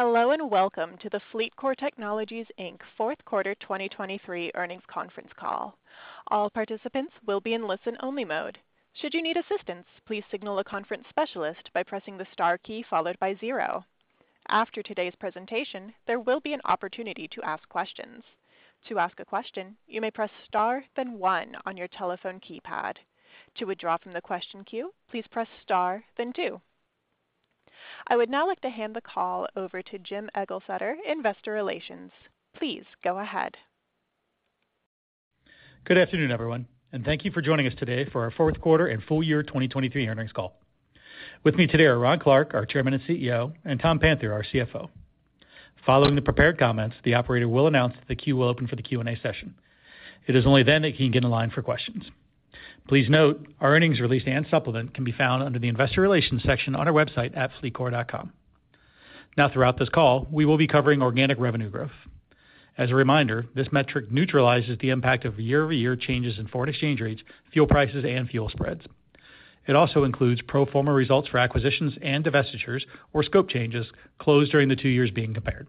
Hello, and welcome to the FLEETCOR Technologies, Inc. Fourth Quarter 2023 Earnings Conference Call. All participants will be in listen-only mode. Should you need assistance, please signal a conference specialist by pressing the star key followed by zero. After today's presentation, there will be an opportunity to ask questions. To ask a question, you may press star, then one on your telephone keypad. To withdraw from the question queue, please press star then two. I would now like to hand the call over to Jim Eglseder, Investor Relations. Please go ahead. Good afternoon, everyone, and thank you for joining us today for our fourth quarter and full year 2023 earnings call. With me today are Ron Clarke, our Chairman and CEO, and Tom Panther, our CFO. Following the prepared comments, the operator will announce that the queue will open for the Q&A session. It is only then that you can get in line for questions. Please note, our earnings release and supplement can be found under the Investor Relations section on our website at fleetcor.com. Now, throughout this call, we will be covering organic revenue growth. As a reminder, this metric neutralizes the impact of year-over-year changes in foreign exchange rates, fuel prices, and fuel spreads. It also includes pro forma results for acquisitions and divestitures or scope changes closed during the two years being compared.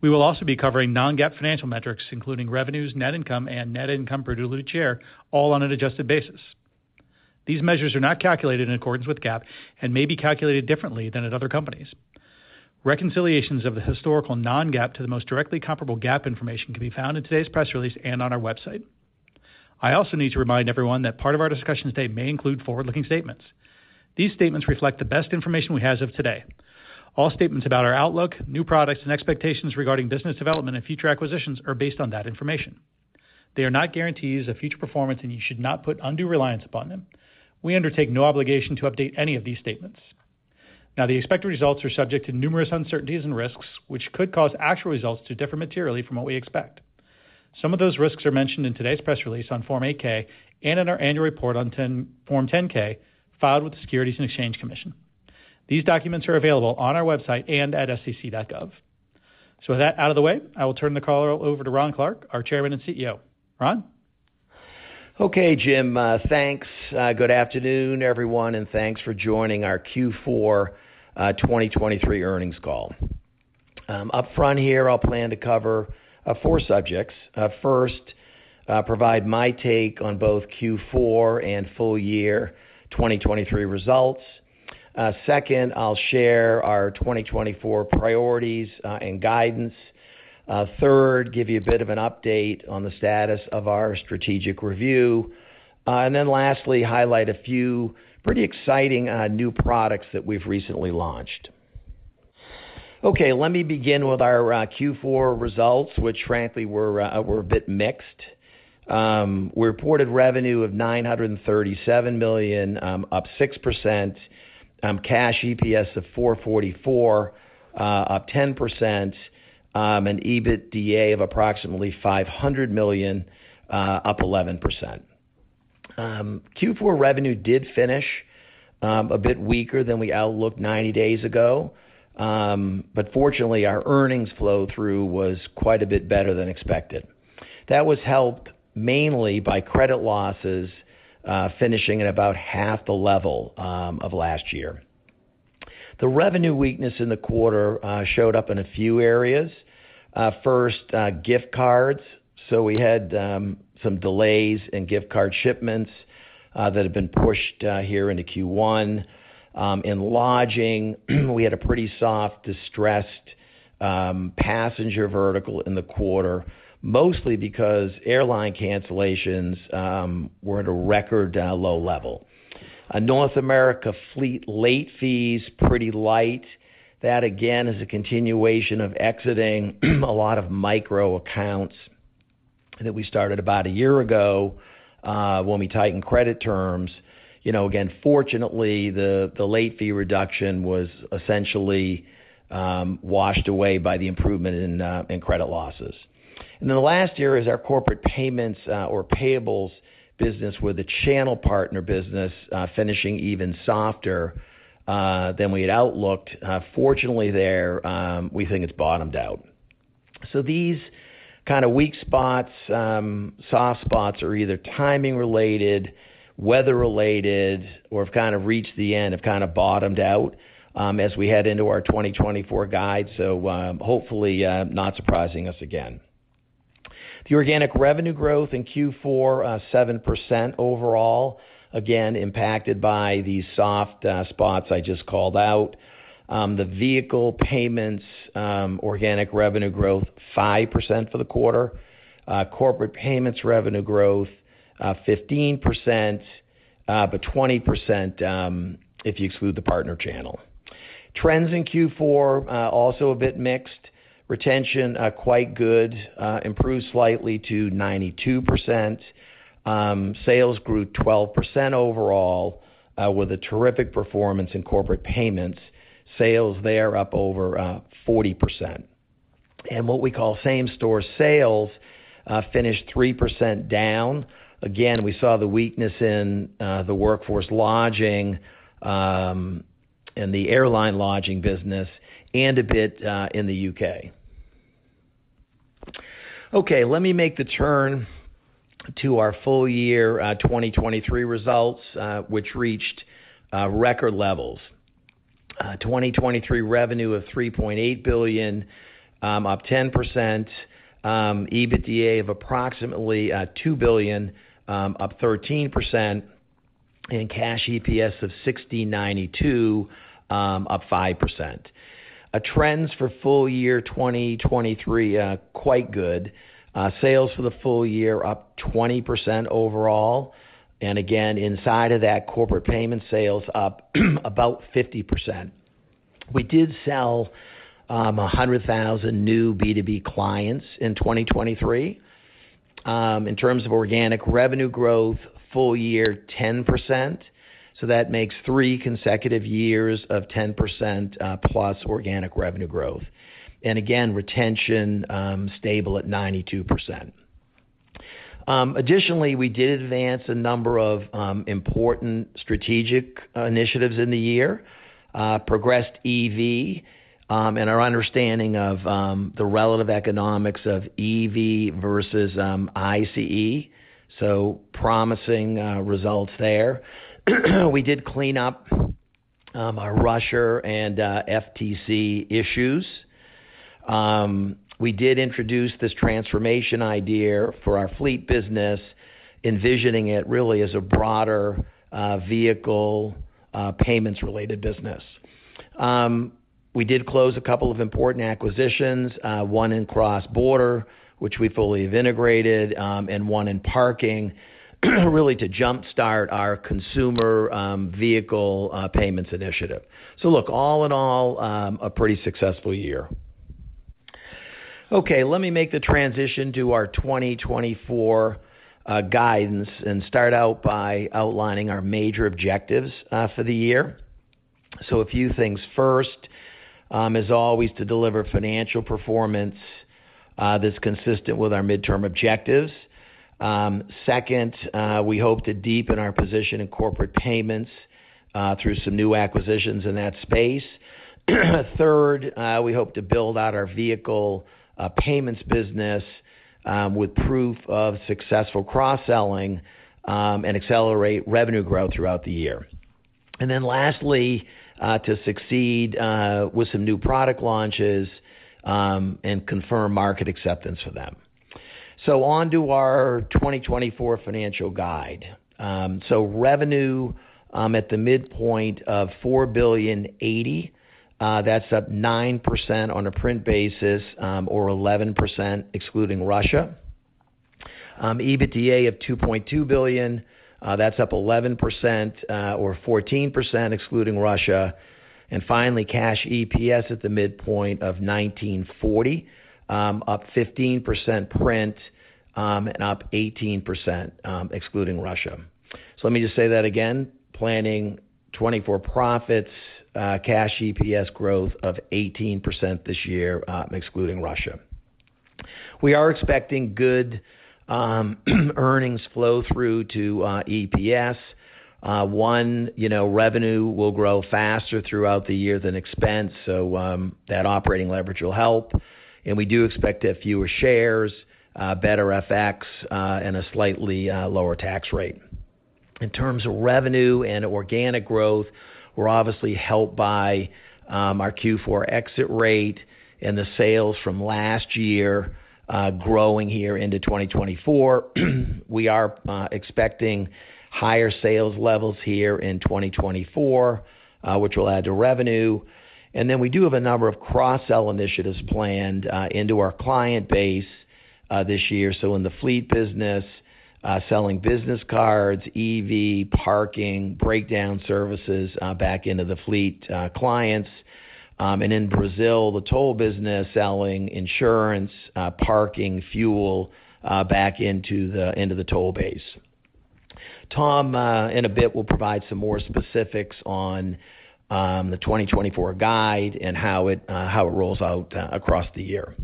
We will also be covering non-GAAP financial metrics, including revenues, net income, and net income per diluted share, all on an adjusted basis. These measures are not calculated in accordance with GAAP and may be calculated differently than at other companies. Reconciliations of the historical non-GAAP to the most directly comparable GAAP information can be found in today's press release and on our website. I also need to remind everyone that part of our discussion today may include forward-looking statements. These statements reflect the best information we have as of today. All statements about our outlook, new products, and expectations regarding business development and future acquisitions are based on that information. They are not guarantees of future performance, and you should not put undue reliance upon them. We undertake no obligation to update any of these statements. Now, the expected results are subject to numerous uncertainties and risks, which could cause actual results to differ materially from what we expect. Some of those risks are mentioned in today's press release on Form 8-K and in our annual report on Form 10-K, filed with the Securities and Exchange Commission. These documents are available on our website and at sec.gov. So with that out of the way, I will turn the call over to Ron Clarke, our Chairman and CEO. Ron? Okay, Jim. Thanks. Good afternoon, everyone, and thanks for joining our Q4 2023 earnings call. Up front here, I'll plan to cover four subjects. First, provide my take on both Q4 and full year 2023 results. Second, I'll share our 2024 priorities and guidance. Third, give you a bit of an update on the status of our strategic review. And then lastly, highlight a few pretty exciting new products that we've recently launched. Okay, let me begin with our Q4 results, which frankly were a bit mixed. We reported revenue of $937 million, up 6%, cash EPS of $4.44, up 10%, and EBITDA of approximately $500 million, up 11%. Q4 revenue did finish a bit weaker than we outlooked 90 days ago. But fortunately, our earnings flow-through was quite a bit better than expected. That was helped mainly by credit losses finishing at about half the level of last year. The revenue weakness in the quarter showed up in a few areas. First, gift cards. So we had some delays in gift card shipments that have been pushed here into Q1. In lodging, we had a pretty soft, distressed passenger vertical in the quarter, mostly because airline cancellations were at a record low level. North America fleet late fees, pretty light. That, again, is a continuation of exiting a lot of micro accounts that we started about a year ago when we tightened credit terms. You know, again, fortunately, the late fee reduction was essentially washed away by the improvement in credit losses. And then the last year is our corporate payments or payables business, with the channel partner business finishing even softer than we had outlooked. Fortunately, there, we think it's bottomed out. So these kind of weak spots, soft spots, are either timing related, weather related, or have kind of reached the end, have kind of bottomed out, as we head into our 2024 guide. So, hopefully, not surprising us again. The organic revenue growth in Q4, 7% overall, again, impacted by the soft spots I just called out. The vehicle payments organic revenue growth, 5% for the quarter. Corporate payments revenue growth, 15%, but 20%, if you exclude the partner channel. Trends in Q4, also a bit mixed. Retention, quite good, improved slightly to 92%. Sales grew 12% overall, with a terrific performance in corporate payments. Sales there up over, 40%. And what we call same-store sales, finished 3% down. Again, we saw the weakness in, the workforce lodging, and the airline lodging business, and a bit, in the U.K. Okay, let me make the turn to our full year, 2023 results, which reached, record levels. 2023 revenue of $3.8 billion, up 10%. EBITDA of approximately, $2 billion, up 13%, and cash EPS of $16.92, up 5%. Our trends for full year 2023, quite good. Sales for the full year up 20% overall, and again, inside of that, corporate payment sales up about 50%. We did sell 100,000 new B2B clients in 2023. In terms of organic revenue growth, full year, 10%. So that makes three consecutive years of 10% plus organic revenue growth. And again, retention stable at 92%. Additionally, we did advance a number of important strategic initiatives in the year, progressed EV and our understanding of the relative economics of EV versus ICE, so promising results there. We did clean up our Russian and FTC issues. We did introduce this transformation idea for our fleet business, envisioning it really as a broader vehicle payments-related business. We did close a couple of important acquisitions, one in cross-border, which we fully have integrated, and one in parking, really, to jumpstart our consumer vehicle payments initiative. So look, all in all, a pretty successful year. Okay, let me make the transition to our 2024 guidance and start out by outlining our major objectives for the year. So a few things. First, as always, to deliver financial performance that's consistent with our midterm objectives. Second, we hope to deepen our position in corporate payments through some new acquisitions in that space. Third, we hope to build out our vehicle payments business with proof of successful cross-selling and accelerate revenue growth throughout the year. And then lastly, to succeed with some new product launches, and confirm market acceptance for them. So on to our 2024 financial guide. So revenue at the midpoint of $4.08 billion, that's up 9% on a print basis, or 11%, excluding Russia. EBITDA of $2.2 billion, that's up 11%, or 14%, excluding Russia. And finally, cash EPS at the midpoint of $19.40, up 15% print, and up 18%, excluding Russia. So let me just say that again. Planning 2024 profits, cash EPS growth of 18% this year, excluding Russia. We are expecting good earnings flow through to EPS. One, you know, revenue will grow faster throughout the year than expense, so that operating leverage will help. We do expect to have fewer shares, better FX, and a slightly lower tax rate. In terms of revenue and organic growth, we're obviously helped by our Q4 exit rate and the sales from last year growing here into 2024. We are expecting higher sales levels here in 2024, which will add to revenue. And then we do have a number of cross-sell initiatives planned into our client base this year. So in the fleet business, selling business cards, EV, parking, breakdown services back into the fleet clients. And in Brazil, the toll business, selling insurance, parking, fuel back into the toll base. Tom, in a bit, will provide some more specifics on the 2024 guide and how it rolls out across the year.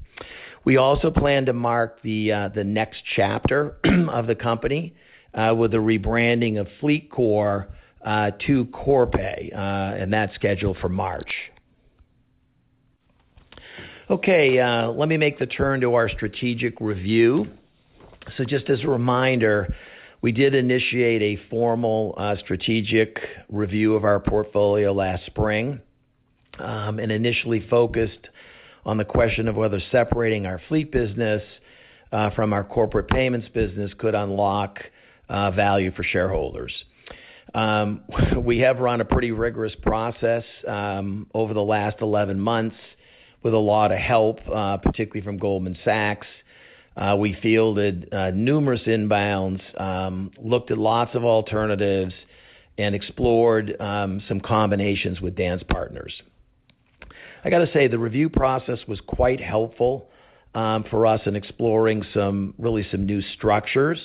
We also plan to mark the next chapter of the company with the rebranding of FLEETCOR to Corpay, and that's scheduled for March. Okay, let me make the turn to our strategic review. So just as a reminder, we did initiate a formal strategic review of our portfolio last spring, and initially focused on the question of whether separating our fleet business from our corporate payments business could unlock value for shareholders. We have run a pretty rigorous process over the last 11 months with a lot of help, particularly from Goldman Sachs. We fielded numerous inbounds, looked at lots of alternatives and explored some combinations with dance partners. I got to say, the review process was quite helpful for us in exploring some really some new structures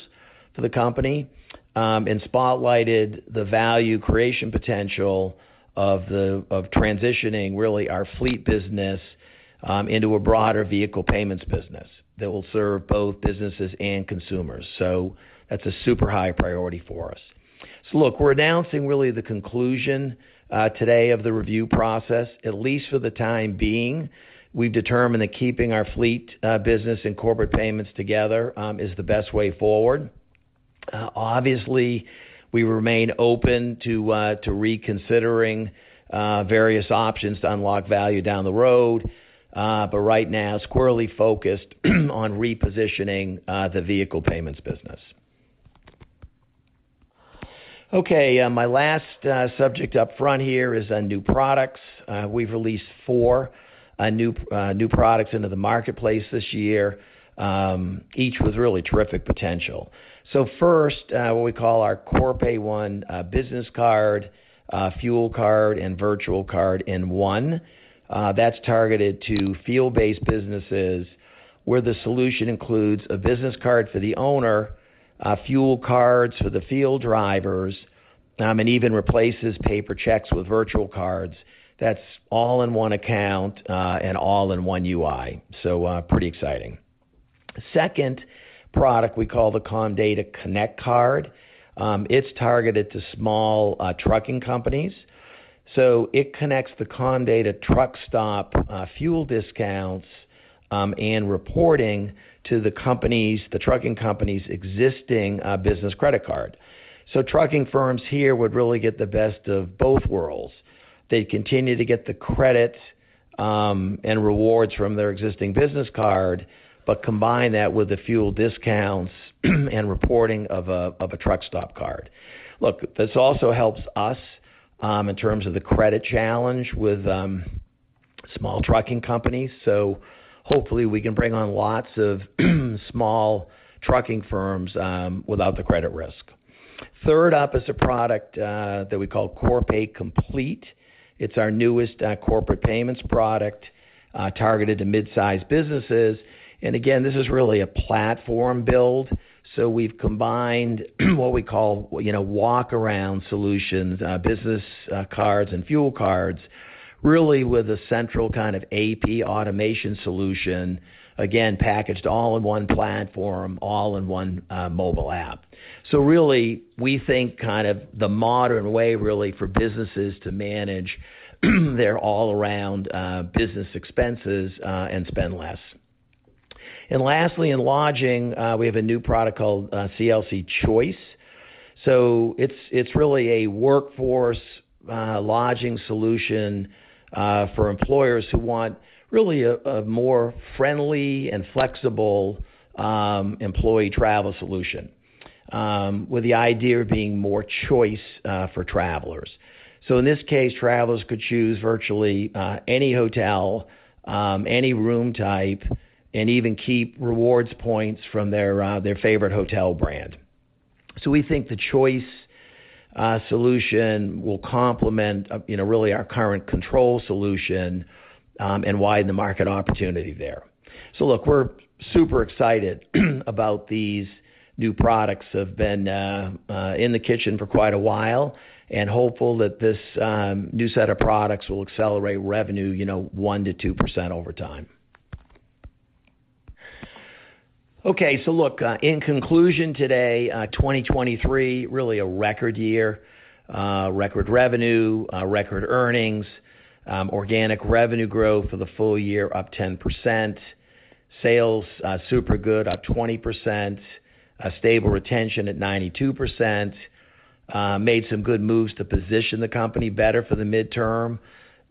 for the company, and spotlighted the value creation potential of transitioning, really, our fleet business into a broader vehicle payments business that will serve both businesses and consumers. So that's a super high priority for us. So look, we're announcing really the conclusion today of the review process, at least for the time being. We've determined that keeping our fleet business and corporate payments together is the best way forward. Obviously, we remain open to reconsidering various options to unlock value down the road, but right now, squarely focused on repositioning the vehicle payments business. Okay, my last subject up front here is on new products. We've released four new products into the marketplace this year, each with really terrific potential. So first, what we call our Corpay One, business card, fuel card, and virtual card in one. That's targeted to field-based businesses, where the solution includes a business card for the owner, fuel cards for the field drivers, and even replaces paper checks with virtual cards. That's all in one account, and all in one UI, so, pretty exciting. Second product we call the Comdata Connect Card. It's targeted to small trucking companies. So it connects the Comdata truck stop fuel discounts, and reporting to the trucking company's existing business credit card. So trucking firms here would really get the best of both worlds. They continue to get the credit and rewards from their existing business card, but combine that with the fuel discounts and reporting of a truck stop card. Look, this also helps us in terms of the credit challenge with small trucking companies, so hopefully we can bring on lots of small trucking firms without the credit risk. Third up is a product that we call Corpay Complete. It's our newest corporate payments product targeted to mid-sized businesses. And again, this is really a platform build, so we've combined what we call, you know, walk-around solutions, business cards and fuel cards, really with a central kind of AP automation solution, again, packaged all in one platform, all in one mobile app. So really, we think kind of the modern way, really, for businesses to manage their all-around, business expenses, and spend less. And lastly, in lodging, we have a new product called, CLC Choice. So it's, it's really a workforce, lodging solution, for employers who want really a, a more friendly and flexible, employee travel solution, with the idea of being more choice, for travelers. So in this case, travelers could choose virtually, any hotel, any room type, and even keep rewards points from their, their favorite hotel brand. So we think the Choice, solution will complement, you know, really our current control solution, and widen the market opportunity there. So look, we're super excited about these new products that have been in the kitchen for quite a while, and hopeful that this new set of products will accelerate revenue, you know, 1%-2% over time. Okay, so look, in conclusion today, 2023, really a record year. Record revenue, record earnings, organic revenue growth for the full year, up 10%. Sales, super good, up 20%, stable retention at 92%. Made some good moves to position the company better for the midterm,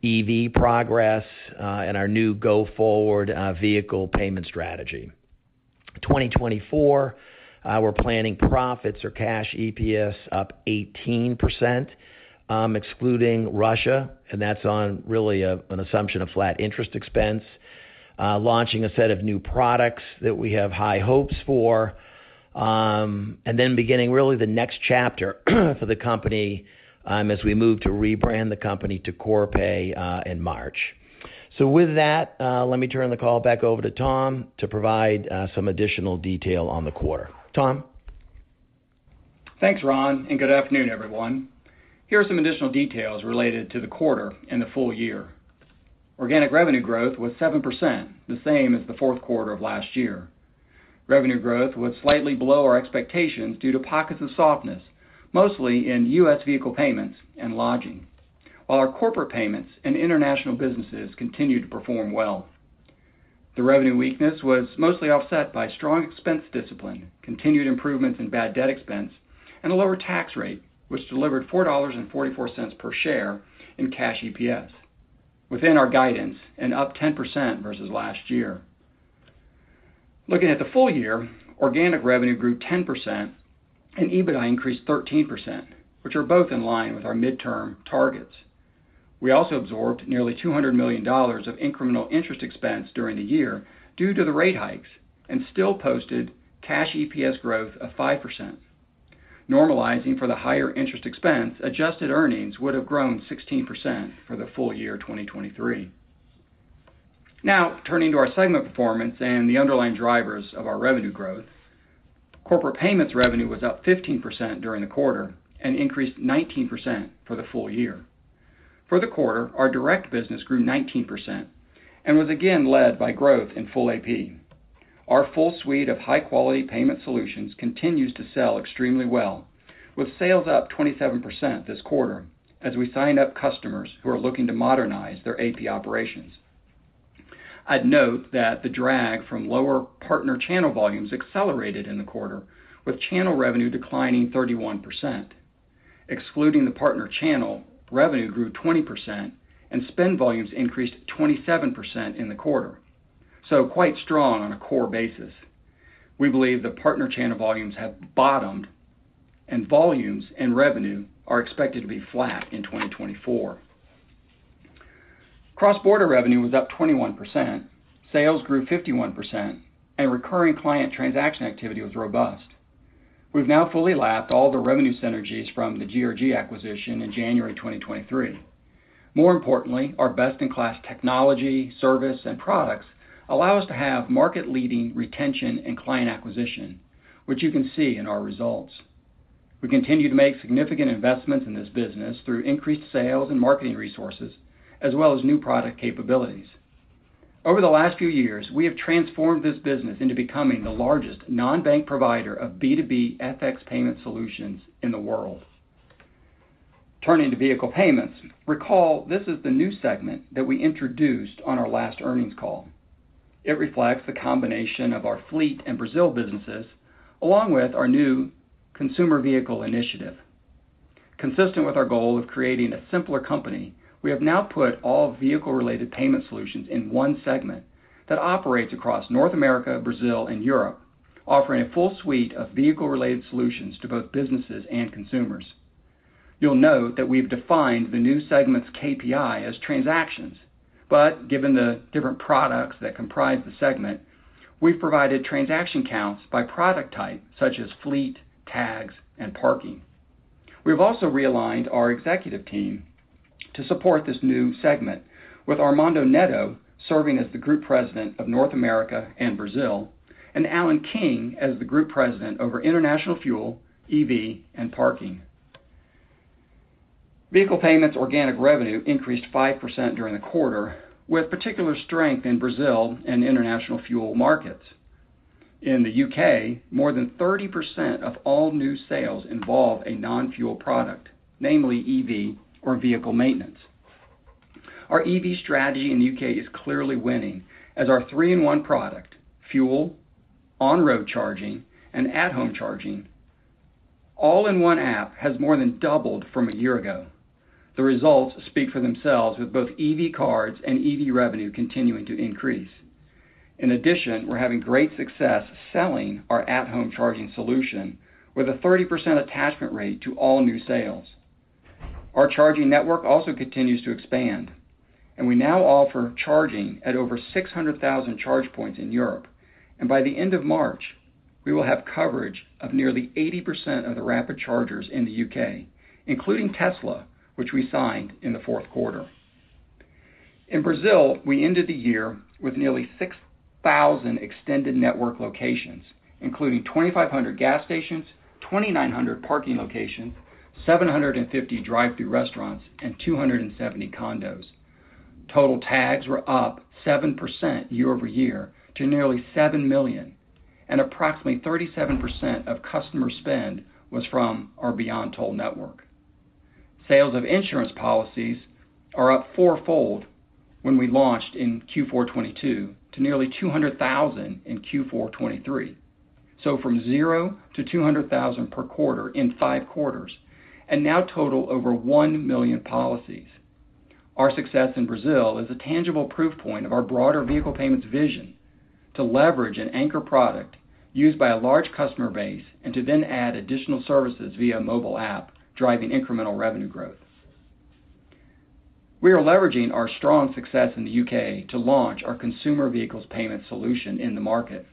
EV progress, and our new go-forward vehicle payment strategy. 2024, we're planning profits or cash EPS up 18%, excluding Russia, and that's on really an assumption of flat interest expense. Launching a set of new products that we have high hopes for, and then beginning really the next chapter for the company, as we move to rebrand the company to Corpay, in March. So with that, let me turn the call back over to Tom to provide some additional detail on the quarter. Tom? Thanks, Ron, and good afternoon, everyone. Here are some additional details related to the quarter and the full year. Organic revenue growth was 7%, the same as the fourth quarter of last year. Revenue growth was slightly below our expectations due to pockets of softness, mostly in U.S. vehicle payments and lodging, while our corporate payments and international businesses continued to perform well. The revenue weakness was mostly offset by strong expense discipline, continued improvements in bad debt expense, and a lower tax rate, which delivered $4.44 per share in cash EPS, within our guidance and up 10% versus last year. Looking at the full year, organic revenue grew 10% and EBITDA increased 13%, which are both in line with our midterm targets. We also absorbed nearly $200 million of incremental interest expense during the year due to the rate hikes, and still posted cash EPS growth of 5%. Normalizing for the higher interest expense, adjusted earnings would have grown 16% for the full year 2023. Now, turning to our segment performance and the underlying drivers of our revenue growth. Corporate payments revenue was up 15% during the quarter and increased 19% for the full year. For the quarter, our direct business grew 19% and was again led by growth in full AP. Our full suite of high-quality payment solutions continues to sell extremely well, with sales up 27% this quarter as we signed up customers who are looking to modernize their AP operations. I'd note that the drag from lower partner channel volumes accelerated in the quarter, with channel revenue declining 31%. Excluding the partner channel, revenue grew 20% and spend volumes increased 27% in the quarter, so quite strong on a core basis. We believe the partner channel volumes have bottomed, and volumes and revenue are expected to be flat in 2024. Cross-border revenue was up 21%. Sales grew 51%, and recurring client transaction activity was robust. We've now fully lapped all the revenue synergies from the GRG acquisition in January 2023. More importantly, our best-in-class technology, service, and products allow us to have market-leading retention and client acquisition, which you can see in our results. We continue to make significant investments in this business through increased sales and marketing resources, as well as new product capabilities. Over the last few years, we have transformed this business into becoming the largest non-bank provider of B2B FX payment solutions in the world. Turning to vehicle payments. Recall, this is the new segment that we introduced on our last earnings call. It reflects the combination of our fleet and Brazil businesses, along with our new consumer vehicle initiative. Consistent with our goal of creating a simpler company, we have now put all vehicle-related payment solutions in one segment that operates across North America, Brazil, and Europe, offering a full suite of vehicle-related solutions to both businesses and consumers. You'll note that we've defined the new segment's KPI as transactions, but given the different products that comprise the segment, we've provided transaction counts by product type, such as fleet, tags, and parking. We've also realigned our executive team to support this new segment, with Armando Netto serving as the Group President of North America and Brazil, and Alan King as the Group President over International Fuel, EV, and Parking. Vehicle Payments organic revenue increased 5% during the quarter, with particular strength in Brazil and international fuel markets. In the U.K., more than 30% of all new sales involve a non-fuel product, namely EV or vehicle maintenance. Our EV strategy in the U.K. is clearly winning, as our three-in-one product, fuel, on-road charging, and at-home charging, all in one app, has more than doubled from a year ago. The results speak for themselves, with both EV cards and EV revenue continuing to increase. In addition, we're having great success selling our at-home charging solution with a 30% attachment rate to all new sales. Our charging network also continues to expand, and we now offer charging at over 600,000 charge points in Europe. By the end of March, we will have coverage of nearly 80% of the rapid chargers in the U.K., including Tesla, which we signed in the fourth quarter. In Brazil, we ended the year with nearly 6,000 extended network locations, including 2,500 gas stations, 2,900 parking locations, 750 drive-thru restaurants, and 270 condos. Total tags were up 7% year-over-year to nearly 7 million, and approximately 37% of customer spend was from our Beyond Toll network. Sales of insurance policies are up four-fold when we launched in Q4 2022 to nearly 200,000 in Q4 2023. So from zero to 200,000 per quarter in five quarters and now total over 1 million policies. Our success in Brazil is a tangible proof point of our broader vehicle payments vision to leverage an anchor product used by a large customer base and to then add additional services via a mobile app, driving incremental revenue growth. We are leveraging our strong success in the U.K. to launch our consumer vehicles payment solution in the market.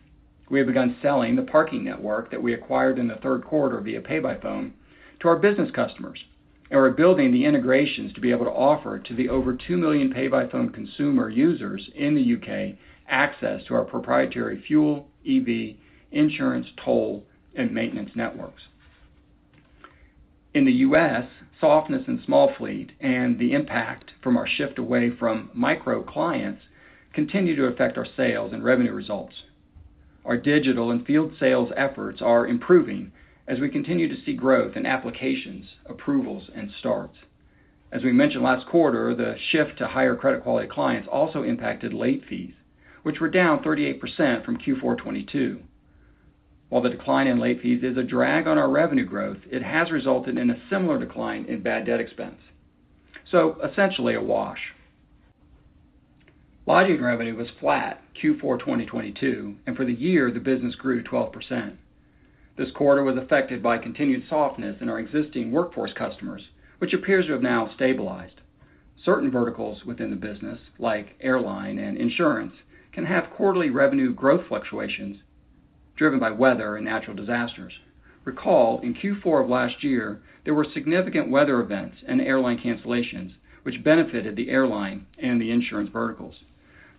We have begun selling the parking network that we acquired in the third quarter via PayByPhone to our business customers, and we're building the integrations to be able to offer to the over two million PayByPhone consumer users in the U.K. access to our proprietary fuel, EV, insurance, toll, and maintenance networks. In the U.S., softness in small fleet and the impact from our shift away from micro clients continue to affect our sales and revenue results. Our digital and field sales efforts are improving as we continue to see growth in applications, approvals, and starts. As we mentioned last quarter, the shift to higher credit quality clients also impacted late fees, which were down 38% from Q4 2022. While the decline in late fees is a drag on our revenue growth, it has resulted in a similar decline in bad debt expense. So essentially a wash. Lodging revenue was flat Q4 2022, and for the year, the business grew 12%. This quarter was affected by continued softness in our existing workforce customers, which appears to have now stabilized. Certain verticals within the business, like airline and insurance, can have quarterly revenue growth fluctuations driven by weather and natural disasters. Recall, in Q4 of last year, there were significant weather events and airline cancellations, which benefited the airline and the insurance verticals.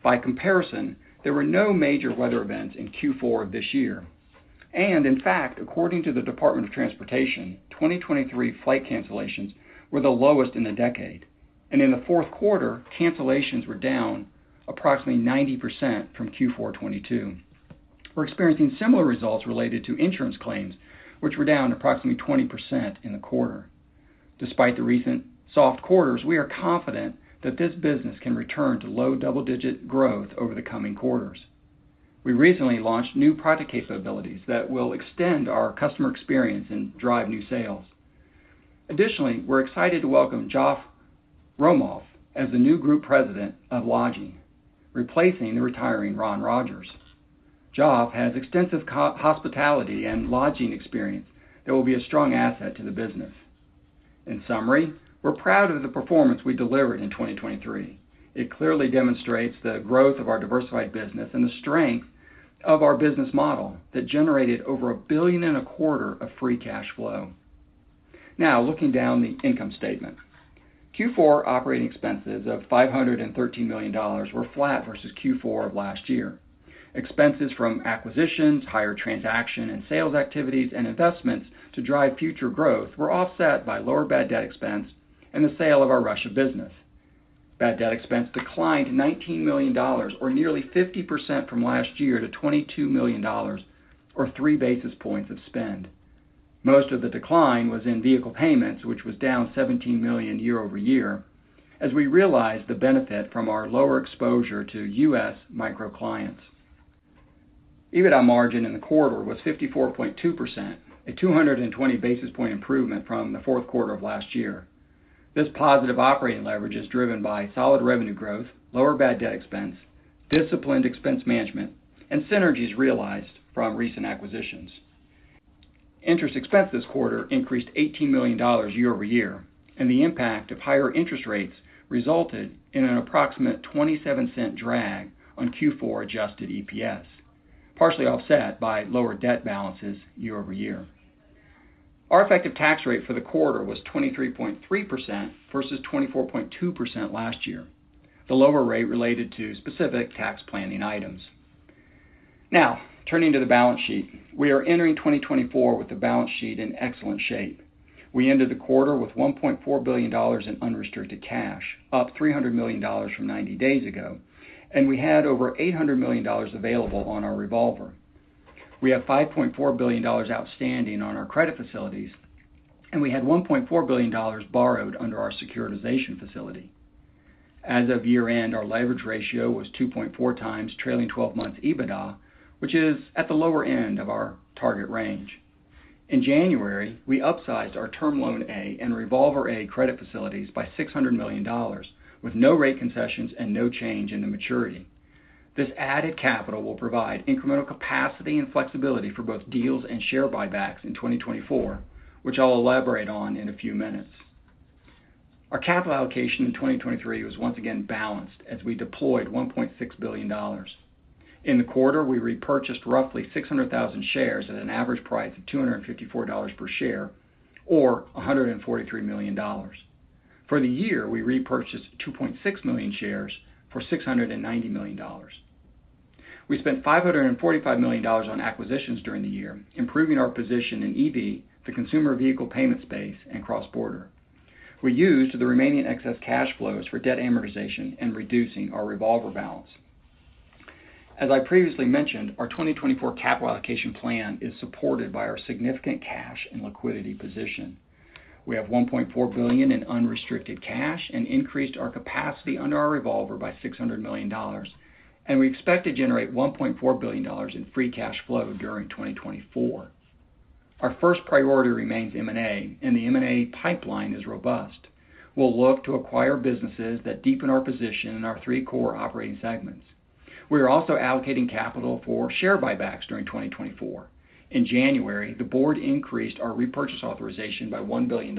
By comparison, there were no major weather events in Q4 of this year. In fact, according to the Department of Transportation, 2023 flight cancellations were the lowest in a decade, and in the fourth quarter, cancellations were down approximately 90% from Q4 2022. We're experiencing similar results related to insurance claims, which were down approximately 20% in the quarter. Despite the recent soft quarters, we are confident that this business can return to low double-digit growth over the coming quarters. We recently launched new product capabilities that will extend our customer experience and drive new sales. Additionally, we're excited to welcome Geoff Romoff as the new Group President of Lodging, replacing the retiring Ron Rogers. Geoff has extensive hospitality and lodging experience that will be a strong asset to the business. In summary, we're proud of the performance we delivered in 2023. It clearly demonstrates the growth of our diversified business and the strength of our business model that generated over $1.25 billion of free cash flow. Now, looking down the income statement. Q4 operating expenses of $513 million were flat versus Q4 of last year. Expenses from acquisitions, higher transaction and sales activities, and investments to drive future growth were offset by lower bad debt expense and the sale of our Russia business. Bad debt expense declined $19 million, or nearly 50% from last year, to $22 million, or 3 basis points of spend. Most of the decline was in vehicle payments, which was down $17 million year-over-year, as we realized the benefit from our lower exposure to U.S. micro clients. EBITDA margin in the quarter was 54.2%, a 220 basis point improvement from the fourth quarter of last year. This positive operating leverage is driven by solid revenue growth, lower bad debt expense, disciplined expense management, and synergies realized from recent acquisitions. Interest expense this quarter increased $18 million year-over-year, and the impact of higher interest rates resulted in an approximate $0.27 drag on Q4 adjusted EPS, partially offset by lower debt balances year-over-year. Our effective tax rate for the quarter was 23.3% versus 24.2% last year, the lower rate related to specific tax planning items. Now, turning to the balance sheet. We are entering 2024 with a balance sheet in excellent shape. We ended the quarter with $1.4 billion in unrestricted cash, up $300 million from 90 days ago, and we had over $800 million available on our revolver. We have $5.4 billion outstanding on our credit facilities, and we had $1.4 billion borrowed under our securitization facility. As of year-end, our leverage ratio was 2.4x trailing 12 months EBITDA, which is at the lower end of our target range. In January, we upsized our Term Loan A and Revolver A credit facilities by $600 million, with no rate concessions and no change in the maturity. This added capital will provide incremental capacity and flexibility for both deals and share buybacks in 2024, which I'll elaborate on in a few minutes. Our capital allocation in 2023 was once again balanced, as we deployed $1.6 billion. In the quarter, we repurchased roughly 600,000 shares at an average price of $254 per share, or $143 million. For the year, we repurchased 2.6 million shares for $690 million. We spent $545 million on acquisitions during the year, improving our position in EV, the consumer vehicle payment space, and cross-border. We used the remaining excess cash flows for debt amortization and reducing our revolver balance. As I previously mentioned, our 2024 capital allocation plan is supported by our significant cash and liquidity position. We have $1.4 billion in unrestricted cash and increased our capacity under our revolver by $600 million, and we expect to generate $1.4 billion in free cash flow during 2024. Our first priority remains M&A, and the M&A pipeline is robust. We'll look to acquire businesses that deepen our position in our three core operating segments. We are also allocating capital for share buybacks during 2024. In January, the board increased our repurchase authorization by $1 billion.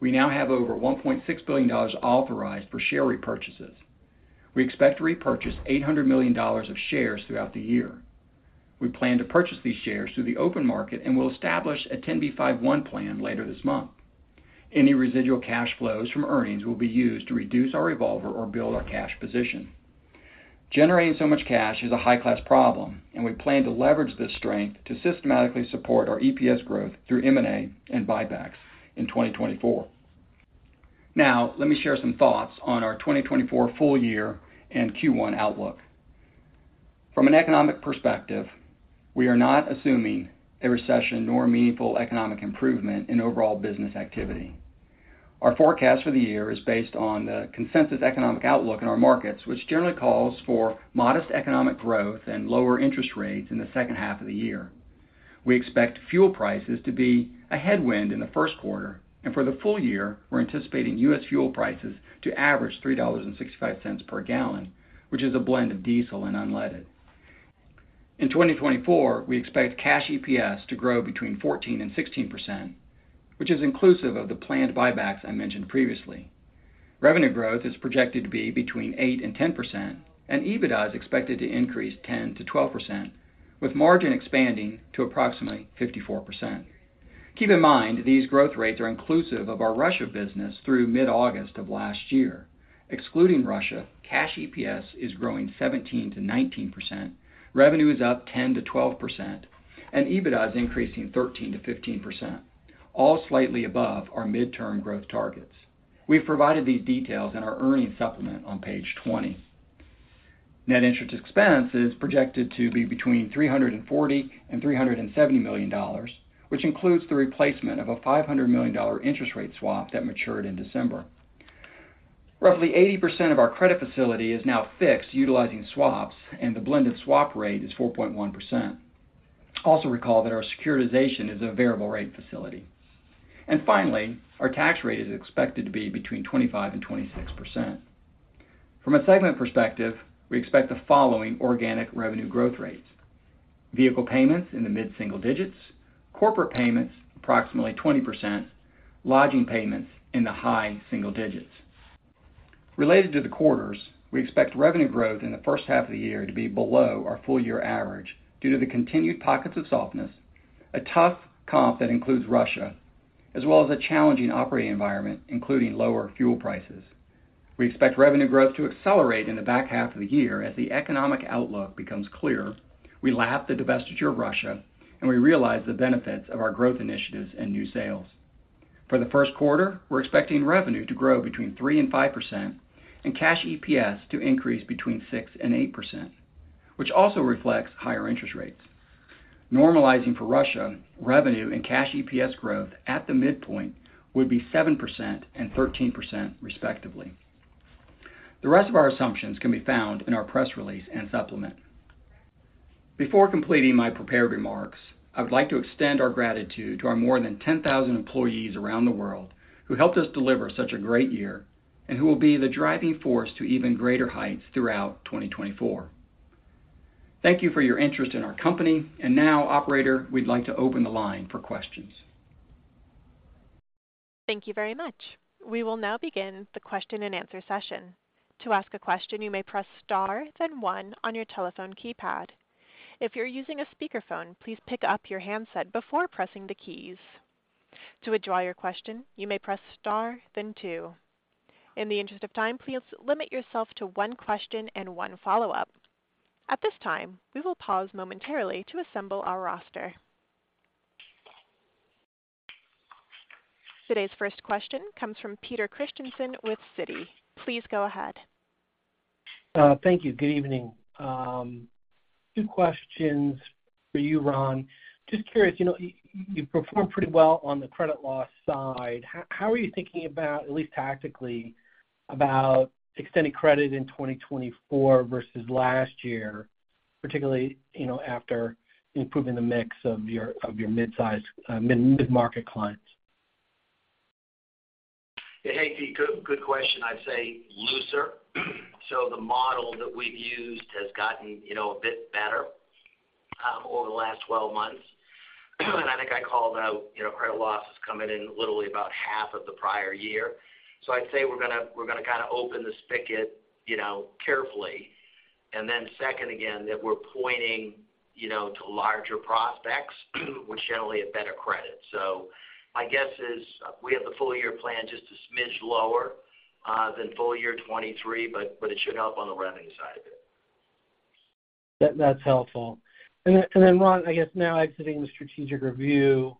We now have over $1.6 billion authorized for share repurchases. We expect to repurchase $800 million of shares throughout the year. We plan to purchase these shares through the open market and will establish a 10b5-1 plan later this month. Any residual cash flows from earnings will be used to reduce our revolver or build our cash position. Generating so much cash is a high-class problem, and we plan to leverage this strength to systematically support our EPS growth through M&A and buybacks in 2024. Now, let me share some thoughts on our 2024 full year and Q1 outlook. From an economic perspective, we are not assuming a recession nor a meaningful economic improvement in overall business activity. Our forecast for the year is based on the consensus economic outlook in our markets, which generally calls for modest economic growth and lower interest rates in the second half of the year. We expect fuel prices to be a headwind in the first quarter, and for the full year, we're anticipating U.S. fuel prices to average $3.65 per gallon, which is a blend of diesel and unleaded. In 2024, we expect cash EPS to grow between 14%-16%, which is inclusive of the planned buybacks I mentioned previously. Revenue growth is projected to be between 8%-10%, and EBITDA is expected to increase 10%-12%, with margin expanding to approximately 54%. Keep in mind, these growth rates are inclusive of our Russia business through mid-August of last year. Excluding Russia, cash EPS is growing 17%-19%, revenue is up 10%-12%, and EBITDA is increasing 13%-15%, all slightly above our midterm growth targets. We've provided these details in our earnings supplement on page 20. Net interest expense is projected to be between $340 million and $370 million, which includes the replacement of a $500 million interest rate swap that matured in December. Roughly 80% of our credit facility is now fixed utilizing swaps, and the blended swap rate is 4.1%. Also recall that our securitization is a variable rate facility. And finally, our tax rate is expected to be between 25% and 26%. From a segment perspective, we expect the following organic revenue growth rates: vehicle payments in the mid-single digits, corporate payments approximately 20%, lodging payments in the high single digits. Related to the quarters, we expect revenue growth in the first half of the year to be below our full-year average due to the continued pockets of softness, a tough comp that includes Russia, as well as a challenging operating environment, including lower fuel prices. We expect revenue growth to accelerate in the back half of the year as the economic outlook becomes clearer, we lap the divestiture of Russia, and we realize the benefits of our growth initiatives and new sales. For the first quarter, we're expecting revenue to grow between 3% and 5% and cash EPS to increase between 6% and 8%, which also reflects higher interest rates. Normalizing for Russia, revenue and cash EPS growth at the midpoint would be 7% and 13%, respectively. The rest of our assumptions can be found in our press release and supplement. Before completing my prepared remarks, I would like to extend our gratitude to our more than 10,000 employees around the world who helped us deliver such a great year and who will be the driving force to even greater heights throughout 2024. Thank you for your interest in our company. Now, operator, we'd like to open the line for questions. Thank you very much. We will now begin the question-and-answer session. To ask a question, you may press star, then one on your telephone keypad. If you're using a speakerphone, please pick up your handset before pressing the keys. To withdraw your question, you may press star, then two. In the interest of time, please limit yourself to one question and one follow-up. At this time, we will pause momentarily to assemble our roster. Today's first question comes from Peter Christensen with Citi. Please go ahead. Thank you. Good evening. Two questions for you, Ron. Just curious, you know, you performed pretty well on the credit loss side. How are you thinking about, at least tactically, about extending credit in 2024 versus last year, particularly, you know, after improving the mix of your, of your midsize, mid-market clients? Hey, Pete, good, good question. I'd say looser. So the model that we've used has gotten, you know, a bit better over the last 12 months. And I think I called out, you know, credit losses coming in literally about half of the prior year. So I'd say we're gonna, we're gonna kind of open the spigot, you know, carefully. And then second, again, that we're pointing, you know, to larger prospects, which generally have better credit. So my guess is we have the full year plan just a smidge lower than full year 2023, but, but it should help on the revenue side of it. That, that's helpful. And then, Ron, I guess now exiting the strategic review,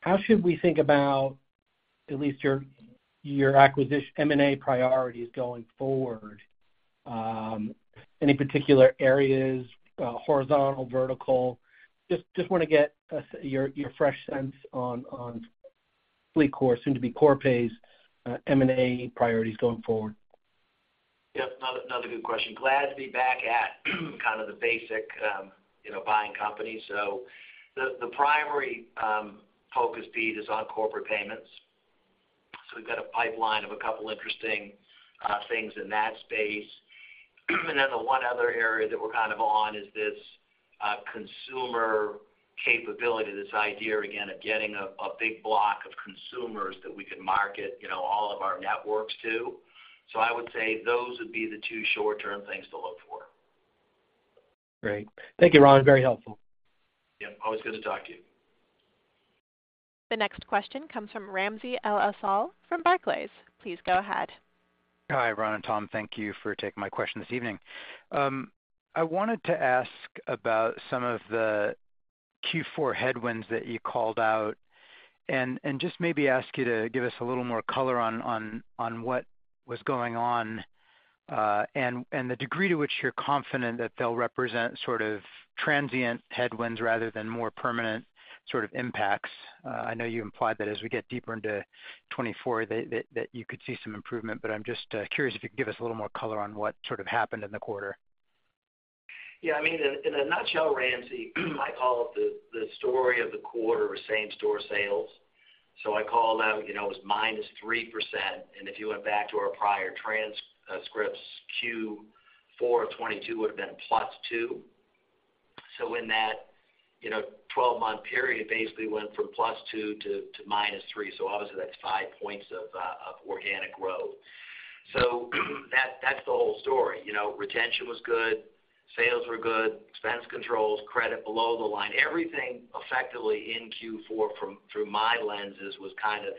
how should we think about at least your, your acquisition, M&A priorities going forward? Any particular areas, horizontal, vertical? Just, just wanna get us your, your fresh sense on, on FLEETCOR, soon to be Corpay's, M&A priorities going forward. Yep, another, another good question. Glad to be back at, kind of the basic, you know, buying companies. So the primary focus, Pete, is on corporate payments. So we've got a pipeline of a couple interesting things in that space. And then the one other area that we're kind of on is this consumer capability, this idea, again, of getting a big block of consumers that we could market, you know, all of our networks to. So I would say those would be the two short-term things to look for. Great. Thank you, Ron. Very helpful. Yep. Always good to talk to you. The next question comes from Ramzi El-Assal from Barclays. Please go ahead. Hi, Ron and Tom. Thank you for taking my question this evening. I wanted to ask about some of the Q4 headwinds that you called out, and just maybe ask you to give us a little more color on what was going on, and the degree to which you're confident that they'll represent sort of transient headwinds rather than more permanent sort of impacts. I know you implied that as we get deeper into 2024, that you could see some improvement, but I'm just curious if you could give us a little more color on what sort of happened in the quarter. Yeah, I mean, in a nutshell, Ramzi, I call it the story of the quarter was same-store sales. So I called out, you know, it was -3%, and if you went back to our prior transcripts, Q4 of 2022 would have been +2. So in that, you know, 12-month period, basically went from +2 to -3, so obviously that's 5 points of organic growth. So that's the whole story. You know, retention was good.... sales were good, expense controls, credit below the line. Everything effectively in Q4 from through my lenses was kind of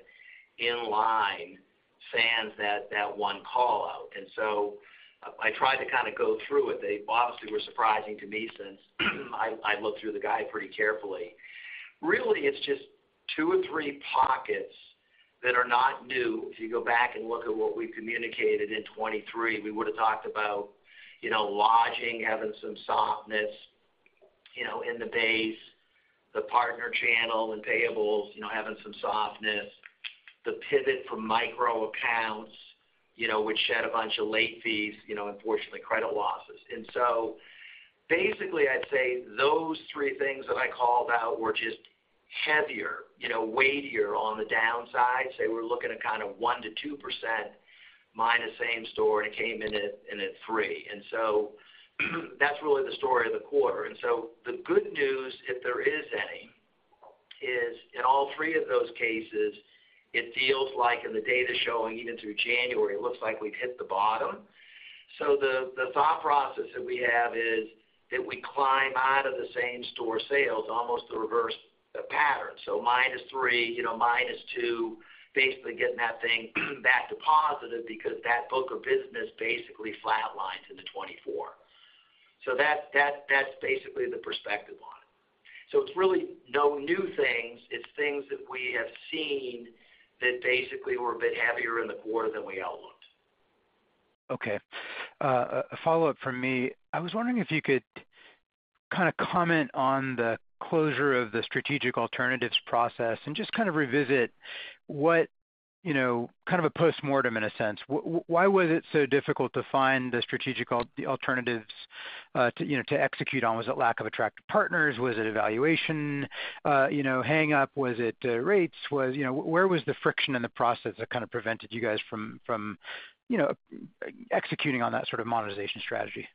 in line, sans that one call-out. And so I tried to kind of go through it. They obviously were surprising to me since I looked through the guide pretty carefully. Really, it's just two or three pockets that are not new. If you go back and look at what we communicated in 2023, we would've talked about, you know, lodging having some softness, you know, in the base, the partner channel and payables, you know, having some softness, the pivot from micro accounts, you know, which shed a bunch of late fees, you know, unfortunately, credit losses. And so basically, I'd say those three things that I called out were just heavier, you know, weightier on the downside. Say we're looking at kind of -1% to -2% same-store, and it came in at -3%. And so, that's really the story of the quarter. And so the good news, if there is any, is in all three of those cases, it feels like in the data showing, even through January, it looks like we've hit the bottom. So the thought process that we have is that we climb out of the same-store sales, almost the reverse pattern. So -3%, you know, -2%, basically getting that thing back to positive because that book of business basically flatlines into 2024. So that's basically the perspective on it. So it's really no new things. It's things that we have seen that basically were a bit heavier in the quarter than we outlooked. Okay. A follow-up from me. I was wondering if you could kind of comment on the closure of the strategic alternatives process and just kind of revisit what, you know, kind of a postmortem in a sense. Why was it so difficult to find the strategic alternatives to, you know, to execute on? Was it lack of attractive partners? Was it valuation, you know, hang-up? Was it rates? You know, where was the friction in the process that kind of prevented you guys from executing on that sort of monetization strategy?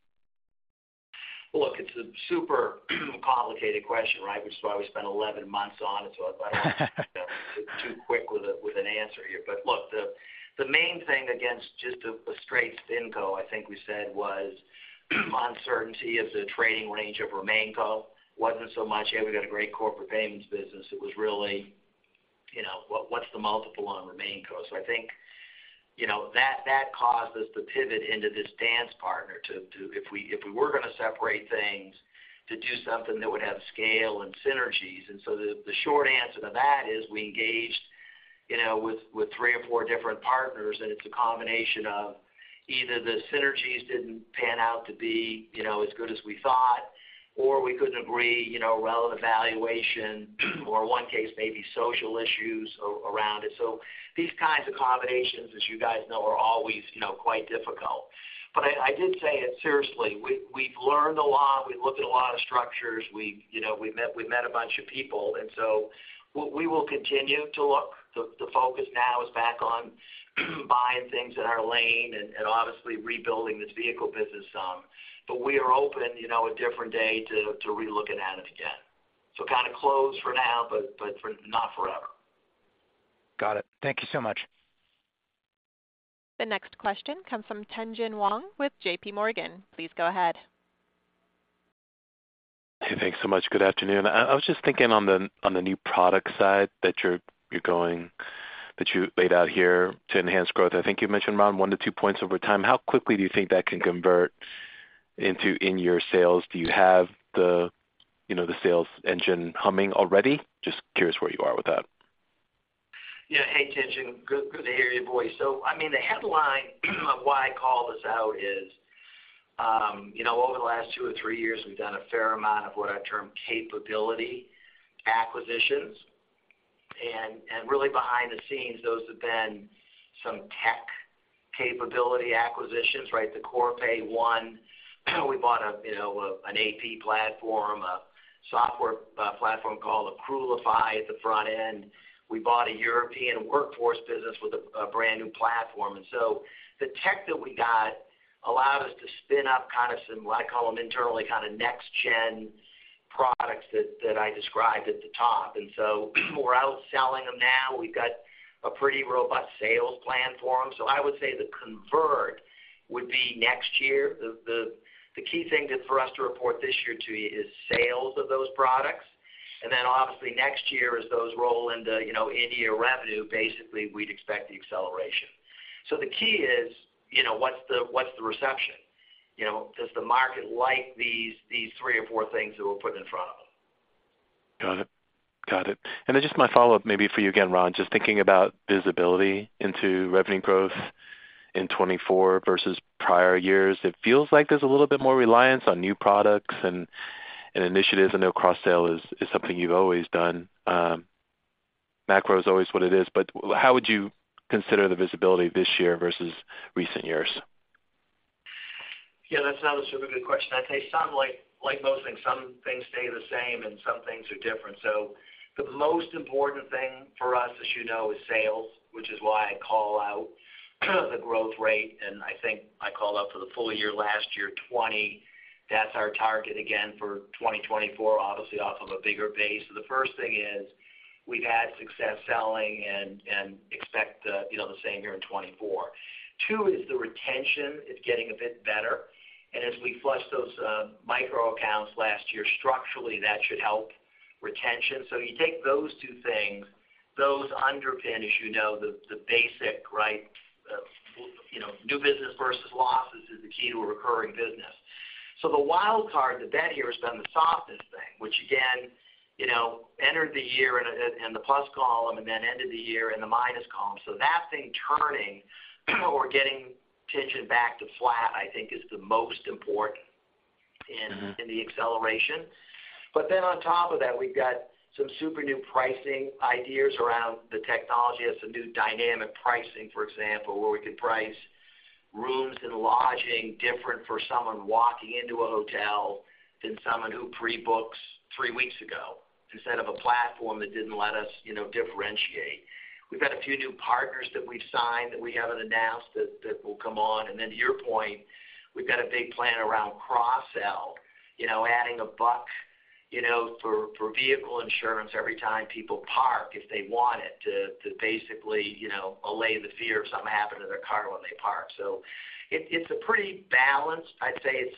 Look, it's a super complicated question, right? Which is why we spent 11 months on it, so I'd like to not be too quick with an answer here. But look, the main thing against just a straight Spin-Co, I think we said, was uncertainty of the trading range of RemainCo. Wasn't so much, "Hey, we've got a great corporate payments business." It was really, you know, what's the multiple on RemainCo? So I think, you know, that caused us to pivot into this dance partner to... If we, if we were going to separate things, to do something that would have scale and synergies. So the short answer to that is we engaged, you know, with three or four different partners, and it's a combination of either the synergies didn't pan out to be, you know, as good as we thought, or we couldn't agree, you know, relevant valuation, or one case, maybe social issues around it. So these kinds of combinations, as you guys know, are always, you know, quite difficult. But I did say it seriously. We've learned a lot. We've looked at a lot of structures. We've, you know, met a bunch of people, and so we will continue to look. The focus now is back on buying things in our lane and obviously, rebuilding this vehicle business some. But we are open, you know, a different day to relooking at it again. So kind of closed for now, but not forever. Got it. Thank you so much. The next question comes from Tien-Tsin Huang with JPMorgan. Please go ahead. Hey, thanks so much. Good afternoon. I was just thinking on the new product side that you laid out here to enhance growth. I think you mentioned around 1-2 points over time. How quickly do you think that can convert into in your sales? Do you have the, you know, the sales engine humming already? Just curious where you are with that. Yeah. Hey, Tien-Tsin, good, good to hear your voice. So I mean, the headline of why I called this out is, you know, over the last two or three years, we've done a fair amount of what I term capability acquisitions. And really behind the scenes, those have been some tech capability acquisitions, right? The Corpay One, we bought a, you know, an AP platform, a software platform called Accrualify at the front end. We bought a European workforce business with a brand-new platform. And so the tech that we got allowed us to spin up kind of some, what I call them internally, kind of next gen products that I described at the top. And so we're out selling them now. We've got a pretty robust sales plan for them. So I would say the convert would be next year. The key thing to—for us to report this year to you is sales of those products. Then obviously, next year, as those roll into, you know, in-year revenue, basically, we'd expect the acceleration. The key is, you know, what's the reception? You know, does the market like these, these three or four things that we're putting in front of them? Got it. Got it. And then just my follow-up, maybe for you again, Ron, just thinking about visibility into revenue growth in 2024 versus prior years. It feels like there's a little bit more reliance on new products and initiatives. I know cross-sale is something you've always done. Macro is always what it is, but how would you consider the visibility this year versus recent years? Yeah, that's another super good question. I'd say some, like, like most things, some things stay the same, and some things are different. So the most important thing for us, as you know, is sales, which is why I call out the growth rate, and I think I called out for the full year, last year, 20. That's our target again for 2024, obviously off of a bigger base. So the first thing is we've had success selling and expect, you know, the same here in 2024. Two is the retention is getting a bit better, and as we flush those micro accounts last year, structurally, that should help retention. So you take those two things, those underpin, as you know, the basic, right? You know, new business versus losses is the key to a recurring business. So the wild card, the bet here has been the softness thing, which again, you know, entered the year in the plus column and then ended the year in the minus column. So that thing turning, or getting tension back to flat, I think is the most important in- Mm-hmm. in the acceleration. But then on top of that, we've got some super new pricing ideas around the technology. That's a new dynamic pricing, for example, where we could price rooms and lodging different for someone walking into a hotel than someone who pre-books three weeks ago, instead of a platform that didn't let us, you know, differentiate. We've got a few new partners that we've signed that we haven't announced that, that will come on. And then to your point, we've got a big plan around cross-sell, you know, adding a buck, you know, for, for vehicle insurance every time people park, if they want it, to, to basically, you know, allay the fear of something happening to their car when they park. So it, it's a pretty balanced... I'd say it's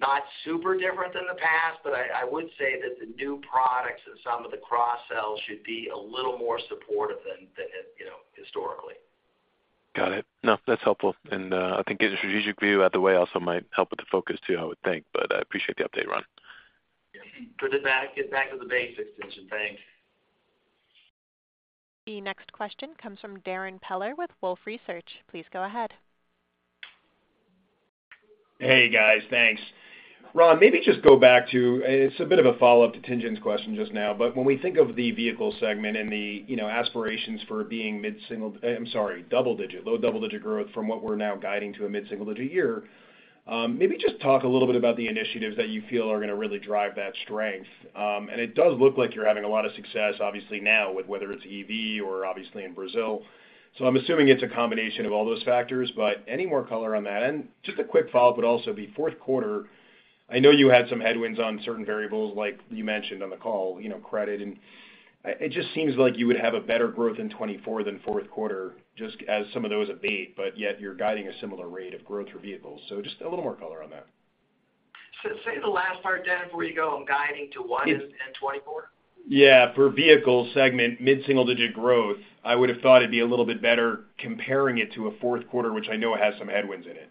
not super different than the past, but I would say that the new products and some of the cross-sells should be a little more supportive than you know, historically. Got it. No, that's helpful, and, I think getting a strategic view out the way also might help with the focus, too, I would think, but I appreciate the update, Ron. Get it back, get back to the basics, Tien-Tsin. Thanks. The next question comes from Darrin Peller with Wolfe Research. Please go ahead. Hey, guys. Thanks. Ron, maybe just go back to, and it's a bit of a follow-up to Tien-Tsin's question just now, but when we think of the vehicle segment and the, you know, aspirations for being mid-single... I'm sorry, double-digit, low double-digit growth from what we're now guiding to a mid-single digit year, maybe just talk a little bit about the initiatives that you feel are going to really drive that strength. And it does look like you're having a lot of success, obviously, now, with whether it's EV or obviously in Brazil. So I'm assuming it's a combination of all those factors, but any more color on that? Just a quick follow-up, but also the fourth quarter, I know you had some headwinds on certain variables, like you mentioned on the call, you know, credit, and it just seems like you would have a better growth in 2024 than fourth quarter, just as some of those abate, but yet you're guiding a similar rate of growth for vehicles. So just a little more color on that. Say the last part, Darrin, before you go, I'm guiding to what in 2024? Yeah, for vehicle segment, mid-single digit growth, I would have thought it'd be a little bit better comparing it to a fourth quarter, which I know has some headwinds in it.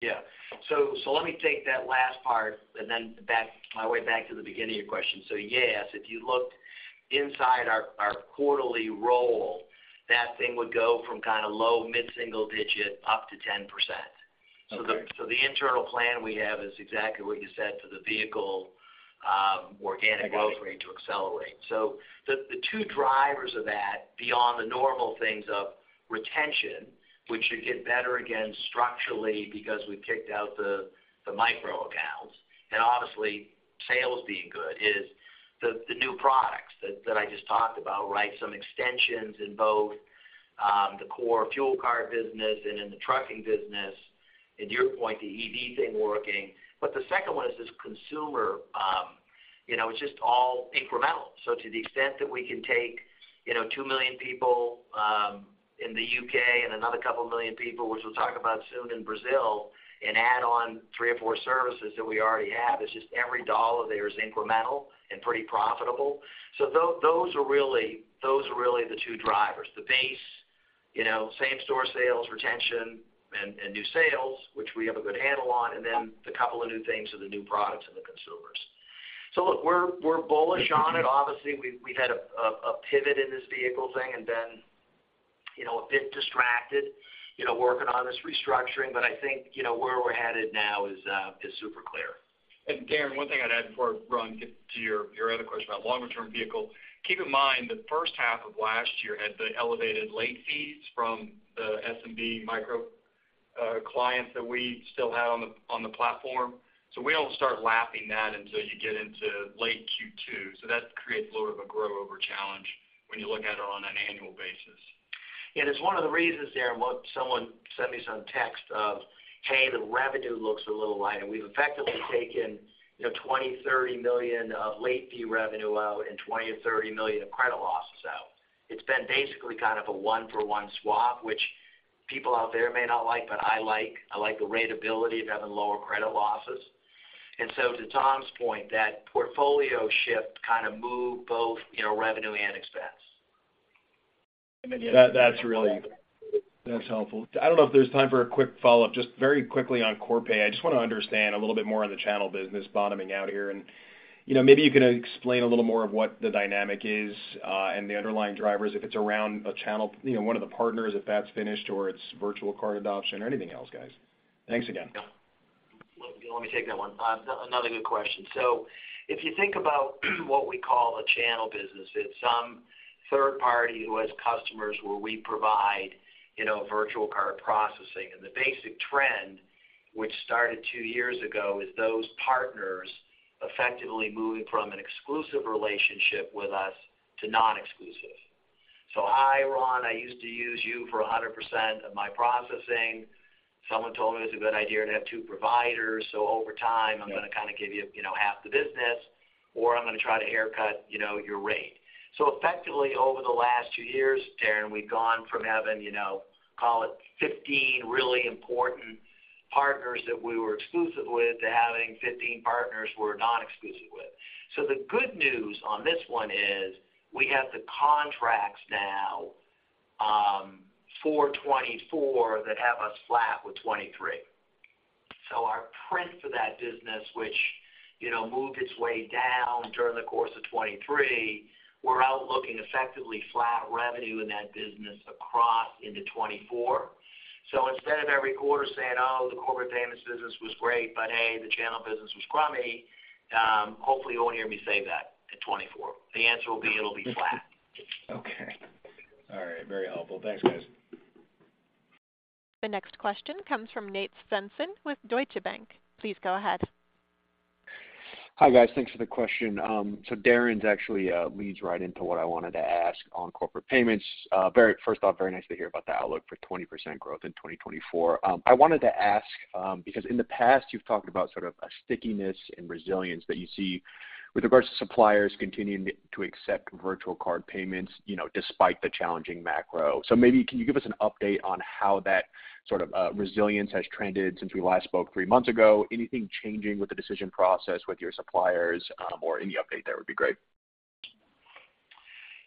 Yeah. So let me take that last part and then back my way back to the beginning of your question. So yes, if you looked inside our quarterly roll, that thing would go from kind of low mid-single digit up to 10%. Okay. So the internal plan we have is exactly what you said for the vehicle organic growth rate to accelerate. So the two drivers of that, beyond the normal things of retention, which should get better again structurally because we've kicked out the micro accounts, and obviously sales being good, is the new products that I just talked about, right? Some extensions in both the core fuel card business and in the trucking business, and your point, the EV thing working. But the second one is this consumer, you know, it's just all incremental. So to the extent that we can take, you know, 2 million people in the U.K. and another couple of million people, which we'll talk about soon in Brazil, and add on three or four services that we already have, it's just every dollar there is incremental and pretty profitable. So those are really the two drivers: the base, you know, same store sales, retention, and new sales, which we have a good handle on, and then the couple of new things or the new products and the consumers. So look, we're bullish on it. Obviously, we've had a pivot in this vehicle thing and then, you know, a bit distracted, you know, working on this restructuring, but I think, you know, where we're headed now is super clear. And Darrin, one thing I'd add before Ron gets to your other question about longer-term vehicle. Keep in mind, the first half of last year had the elevated late fees from the SMB micro clients that we still have on the platform. So we don't start lapping that until you get into late Q2. So that creates a little bit of a year-over-year challenge when you look at it on an annual basis. Yeah, it's one of the reasons, Darrin, what someone sent me some text of, "Hey, the revenue looks a little light," and we've effectively taken, you know, $20 million-$30 million of late fee revenue out and $20 million-$30 million of credit losses out. It's been basically kind of a one-for-one swap, which people out there may not like, but I like. I like the readability of having lower credit losses. And so to Tom's point, that portfolio shift kind of moved both, you know, revenue and expense. That's helpful. I don't know if there's time for a quick follow-up. Just very quickly on Corpay. I just want to understand a little bit more on the channel business bottoming out here. And, you know, maybe you can explain a little more of what the dynamic is, and the underlying drivers, if it's around a channel, you know, one of the partners, if that's finished, or it's virtual card adoption or anything else, guys. Thanks again. Yeah. Let me take that one. Another good question. So if you think about, what we call a channel business, it's some third party who has customers where we provide, you know, virtual card processing. And the basic trend, which started two years ago, is those partners effectively moving from an exclusive relationship with us to non-exclusive. So, "Hi, Ron, I used to use you for 100% of my processing. Someone told me it was a good idea to have two providers, so over time, I'm going to kind of give you, you know, half the business, or I'm going to try to haircut, you know, your rate."... So effectively, over the last two years, Darrin, we've gone from having, you know, call it 15 really important partners that we were exclusive with, to having 15 partners we're not exclusive with. So the good news on this one is, we have the contracts now for 2024 that have us flat with 2023. So our print for that business, which, you know, moved its way down during the course of 2023, we're outlooking effectively flat revenue in that business across into 2024. So instead of every quarter saying, "Oh, the corporate payments business was great, but hey, the channel business was crummy," hopefully, you won't hear me say that in 2024. The answer will be: it'll be flat. Okay. All right. Very helpful. Thanks, guys. The next question comes from Nate Svensson with Deutsche Bank. Please go ahead. Hi, guys. Thanks for the question. So Darrin's actually leads right into what I wanted to ask on corporate payments. First off, very nice to hear about the outlook for 20% growth in 2024. I wanted to ask, because in the past, you've talked about sort of a stickiness and resilience that you see with regards to suppliers continuing to accept virtual card payments, you know, despite the challenging macro. So maybe, can you give us an update on how that sort of resilience has trended since we last spoke three months ago? Anything changing with the decision process with your suppliers, or any update there would be great.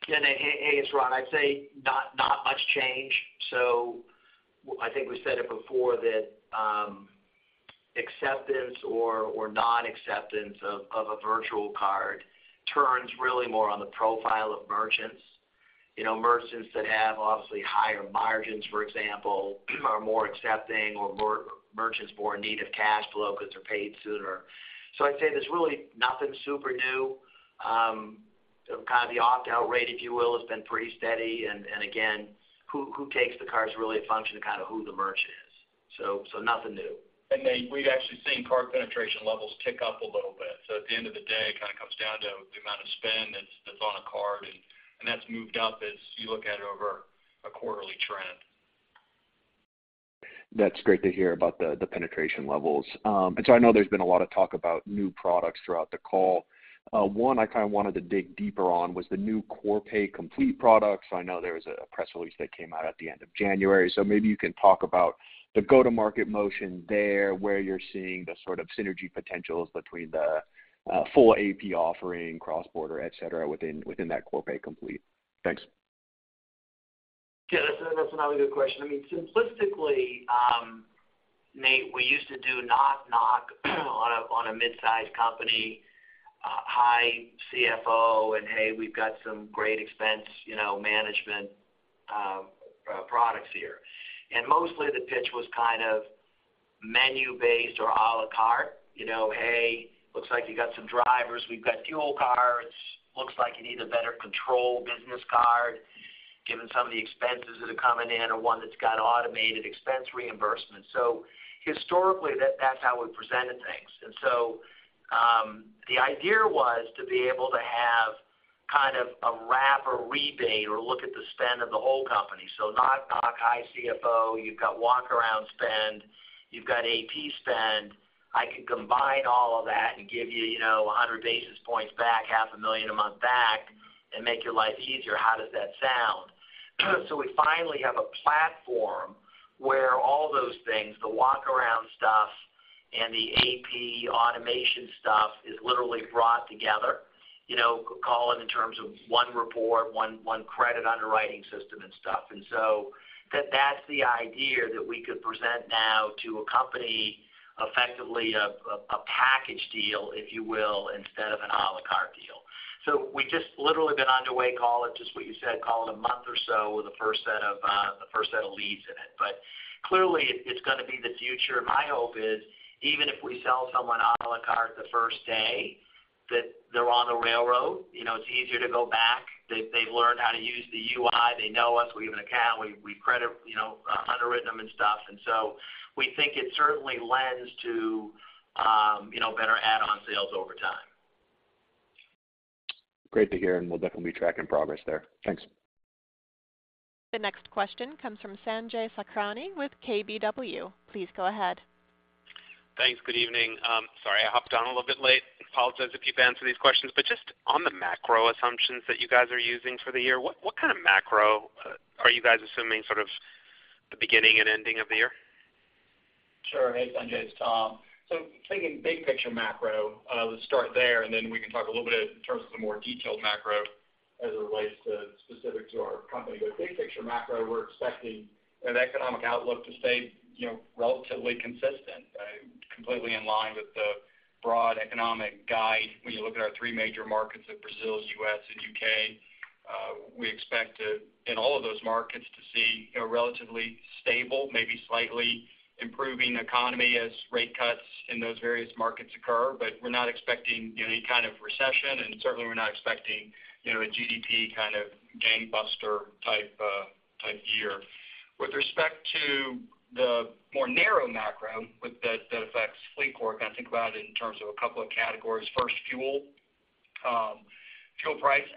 Yeah, hey, hey, it's Ron. I'd say not much change. So I think we said it before that, acceptance or non-acceptance of a virtual card turns really more on the profile of merchants. You know, merchants that have obviously higher margins, for example, are more accepting or merchants more in need of cash flow because they're paid sooner. So I'd say there's really nothing super new. Kind of the opt-out rate, if you will, has been pretty steady, and again, who takes the card is really a function of kind of who the merchant is. So nothing new. Nate, we've actually seen card penetration levels tick up a little bit. So at the end of the day, it kind of comes down to the amount of spend that's on a card, and that's moved up as you look at it over a quarterly trend. That's great to hear about the penetration levels. And so I know there's been a lot of talk about new products throughout the call. One I kind of wanted to dig deeper on was the new Corpay Complete product. So I know there was a press release that came out at the end of January. So maybe you can talk about the go-to-market motion there, where you're seeing the sort of synergy potentials between the full AP offering, cross-border, et cetera, within that Corpay Complete. Thanks. Yeah, that's another good question. I mean, simplistically, Nate, we used to do knock knock on a mid-sized company, hi, CFO, and, "Hey, we've got some great expense, you know, management products here." And mostly, the pitch was kind of menu-based or à la carte. You know, "Hey, looks like you got some drivers. We've got fuel cards. Looks like you need a better control business card, given some of the expenses that are coming in, or one that's got automated expense reimbursement." So historically, that's how we presented things. And so, the idea was to be able to have kind of a wrap or rebate or look at the spend of the whole company. So knock knock, "Hi, CFO, you've got walk-around spend, you've got AP spend. I can combine all of that and give you, you know, 100 basis points back, $500,000 a month back, and make your life easier. How does that sound?" So we finally have a platform where all those things, the walk-around stuff and the AP automation stuff, is literally brought together. You know, call it in terms of one report, one credit underwriting system and stuff. And so that, that's the idea that we could present now to a company, effectively a package deal, if you will, instead of an à la carte deal. So we've just literally been underway, call it just what you said, call it a month or so, with the first set of the first set of leads in it. But clearly, it's going to be the future. My hope is, even if we sell someone à la carte the first day, that they're on the railroad, you know, it's easier to go back. They've learned how to use the UI. They know us. We have an account. We've, we credit, you know, underwritten them and stuff. And so we think it certainly lends to, you know, better add-on sales over time. Great to hear, and we'll definitely be tracking progress there. Thanks. The next question comes from Sanjay Sakhrani with KBW. Please go ahead. Thanks. Good evening. Sorry, I hopped on a little bit late. Apologize if you've answered these questions, but just on the macro assumptions that you guys are using for the year, what kind of macro are you guys assuming, sort of the beginning and ending of the year? Sure. Hey, Sanjay, it's Tom. So thinking big picture macro, let's start there, and then we can talk a little bit in terms of the more detailed macro as it relates specifically to our company. But big picture macro, we're expecting an economic outlook to stay, you know, relatively consistent, completely in line with the broad economic guide. When you look at our three major markets of Brazil, U.S., and U.K., we expect to, in all of those markets, to see a relatively stable, maybe slightly improving economy as rate cuts in those various markets occur. But we're not expecting any kind of recession, and certainly, we're not expecting, you know, a GDP kind of gangbuster type year. With respect to the more narrow macro that affects FLEETCOR, kind of think about it in terms of a couple of categories. First, fuel.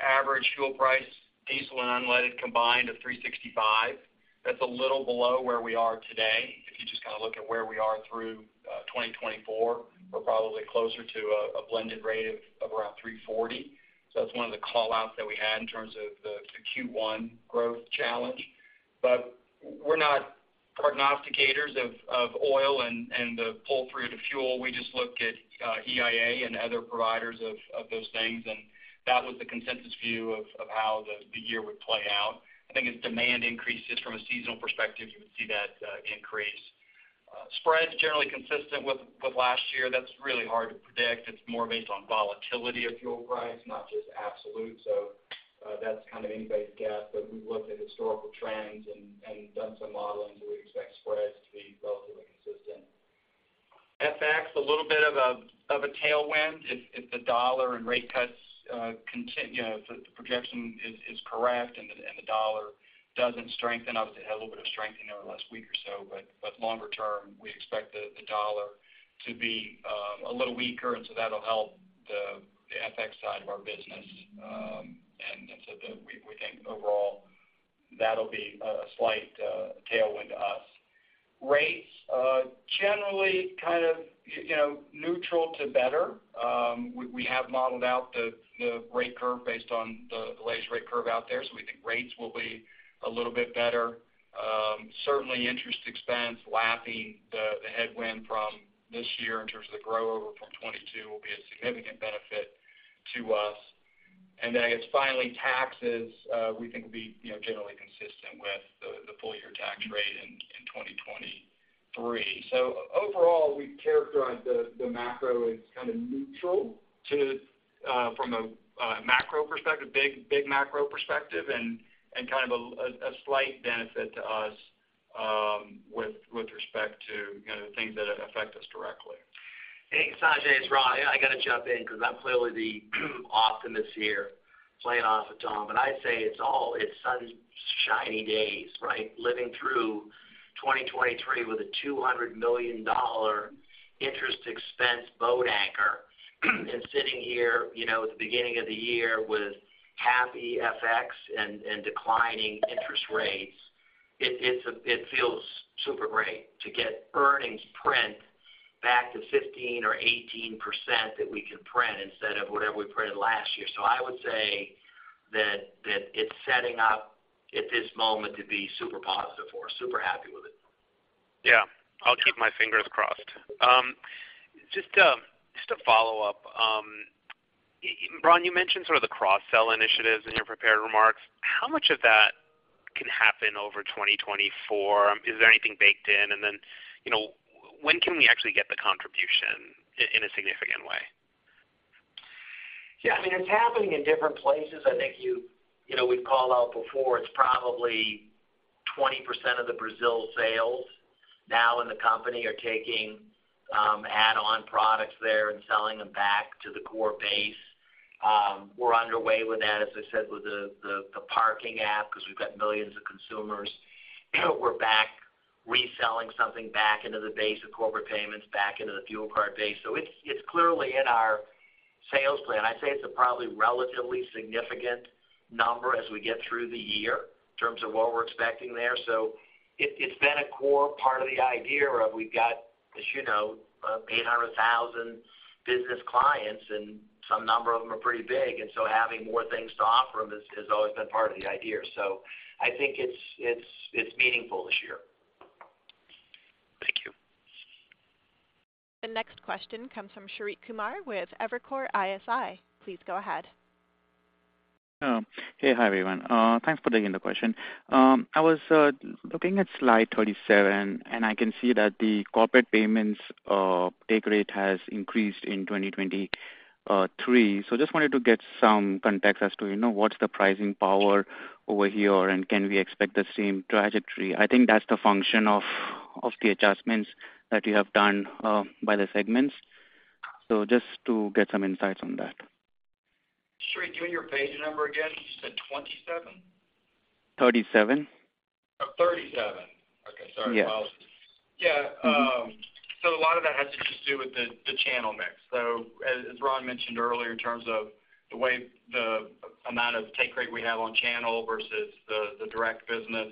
Average fuel price diesel and unleaded combined of $3.65. That's a little below where we are today. If you just kind of look at where we are through 2024, we're probably closer to a blended rate of around $3.40. So that's one of the call-outs that we had in terms of the Q1 growth challenge. But we're not prognosticators of oil and the pull through to fuel. We just look at EIA and other providers of those things, and that was the consensus view of how the year would play out. I think as demand increases from a seasonal perspective, you would see that increase. Spreads generally consistent with last year. That's really hard to predict. It's more based on volatility of fuel price, not just absolute. That's kind of anybody's guess, but we've looked at historical trends and done some modeling, so we expect spreads to be relatively consistent. FX, a little bit of a tailwind if the dollar and rate cuts continue, you know, if the projection is correct, and the dollar doesn't strengthen up. It had a little bit of strengthening over the last week or so, but longer term, we expect the dollar to be a little weaker, and so that'll help the FX side of our business. And so we think overall, that'll be a slight tailwind to us. Rates, generally kind of you know, neutral to better. We have modeled out the rate curve based on the latest rate curve out there, so we think rates will be a little bit better. Certainly, interest expense, lapping the headwind from this year in terms of the grow over from 2022 will be a significant benefit to us. And then I guess, finally, taxes, we think will be, you know, generally consistent with the full year tax rate in 2023. So overall, we characterize the macro as kind of neutral to from a macro perspective, big macro perspective, and kind of a slight benefit to us, with respect to, you know, the things that affect us directly. Hey, Sanjay, it's Ron. I gotta jump in 'cause I'm clearly the optimist here, playing off of Tom. But I'd say it's all it's sunshiny days, right? Living through 2023 with a $200 million interest expense boat anchor, and sitting here, you know, at the beginning of the year with half FX and declining interest rates, it feels super great to get earnings print back to 15% or 18% that we can print instead of whatever we printed last year. So I would say that it's setting up at this moment to be super positive for us. Super happy with it. Yeah. I'll keep my fingers crossed. Just to follow up, Ron, you mentioned sort of the cross-sell initiatives in your prepared remarks. How much of that can happen over 2024? Is there anything baked in? And then, you know, when can we actually get the contribution in a significant way? Yeah, I mean, it's happening in different places. I think you know, we've called out before, it's probably 20% of the Brazil sales now in the company are taking add-on products there and selling them back to the core base. We're underway with that, as I said, with the parking app, 'cause we've got millions of consumers. We're back reselling something back into the base of corporate payments, back into the fuel card base. So it's clearly in our sales plan. I'd say it's a probably relatively significant number as we get through the year in terms of what we're expecting there. So it's been a core part of the idea of we've got, as you know, 800,000 business clients, and some number of them are pretty big, and so having more things to offer them has always been part of the idea. So I think it's meaningful this year. Thank you. The next question comes from Sheriq Sumar with Evercore ISI. Please go ahead. Hey, hi, everyone. Thanks for taking the question. I was looking at slide 37, and I can see that the corporate payments take rate has increased in 2023. So just wanted to get some context as to, you know, what's the pricing power over here, and can we expect the same trajectory? I think that's the function of the adjustments that you have done by the segments. So just to get some insights on that. Shariq, give me your page number again. You said 27? 37. Oh, 37. Okay, sorry, Yes. Yeah, so a lot of that has to just do with the channel mix. So as Ron mentioned earlier, in terms of the way the amount of take rate we have on channel versus the direct business,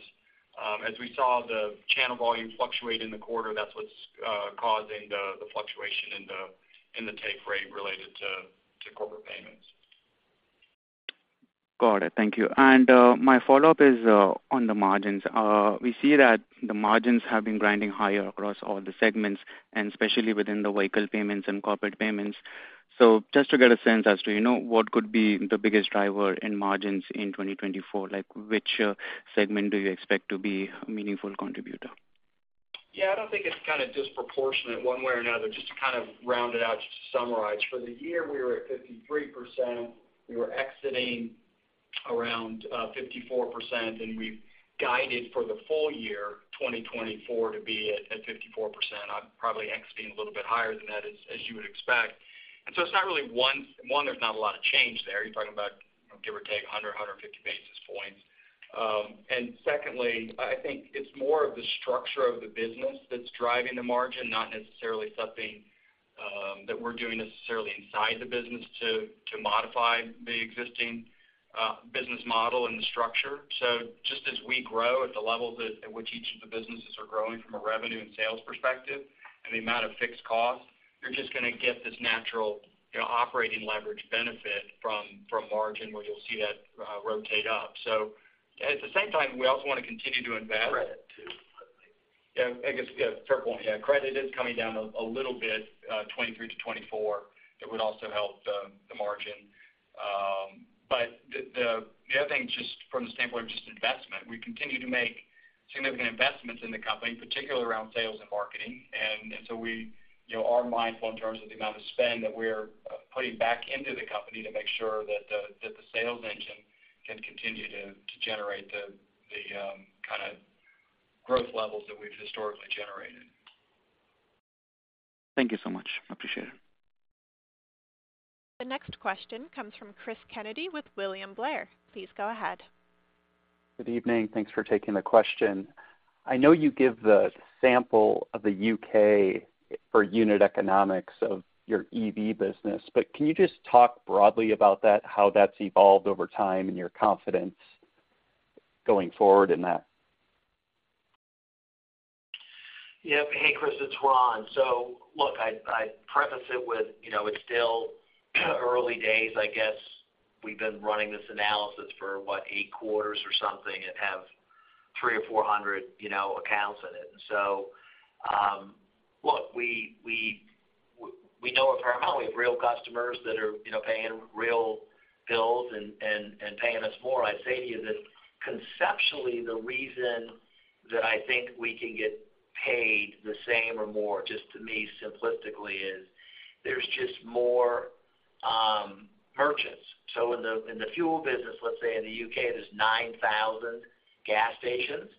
as we saw the channel volume fluctuate in the quarter, that's what's causing the fluctuation in the take rate related to corporate payments. Got it. Thank you. And, my follow-up is, on the margins. We see that the margins have been grinding higher across all the segments, and especially within the vehicle payments and corporate payments. So just to get a sense as to, you know, what could be the biggest driver in margins in 2024, like, which segment do you expect to be a meaningful contributor? Yeah, I don't think it's kind of disproportionate one way or another, just to kind of round it out, just to summarize. For the year, we were at 53%. We were exiting around 54%, and we've guided for the full year 2024 to be at 54%, probably exiting a little bit higher than that, as you would expect. And so it's not really one, there's not a lot of change there. You're talking about, give or take, 100-150 basis points. And secondly, I think it's more of the structure of the business that's driving the margin, not necessarily something that we're doing necessarily inside the business to modify the existing business model and the structure. So just as we grow at the levels at which each of the businesses are growing from a revenue and sales perspective and the amount of fixed costs, you're just gonna get this natural, you know, operating leverage benefit from margin, where you'll see that rotate up. So at the same time, we also want to continue to invest- Credit, too. Yeah, I guess, yeah, fair point. Yeah, credit is coming down a little bit, 2023-2024. It would also help the margin. But the other thing, just from the standpoint of just investment, we continue to make significant investments in the company, particularly around sales and marketing. And so we, you know, are mindful in terms of the amount of spend that we're putting back into the company to make sure that the sales engine can continue to generate the kind of growth levels that we've historically generated. Thank you so much. Appreciate it. The next question comes from Chris Kennedy with William Blair. Please go ahead. Good evening. Thanks for taking the question. I know you give the sample of the U.K. for unit economics of your EV business, but can you just talk broadly about that, how that's evolved over time, and your confidence going forward in that? Yep. Hey, Chris, it's Ron. So look, I preface it with, you know, it's still early days. I guess we've been running this analysis for, what, 8 quarters or something and have 300 or 400, you know, accounts in it. So, look, we know apparently we have real customers that are, you know, paying real bills and paying us more. I'd say to you that conceptually, the reason that I think we can get paid the same or more, just to me, simplistically, is there's just more merchants. So in the fuel business, let's say in the U.K., there's 9,000 gas stations,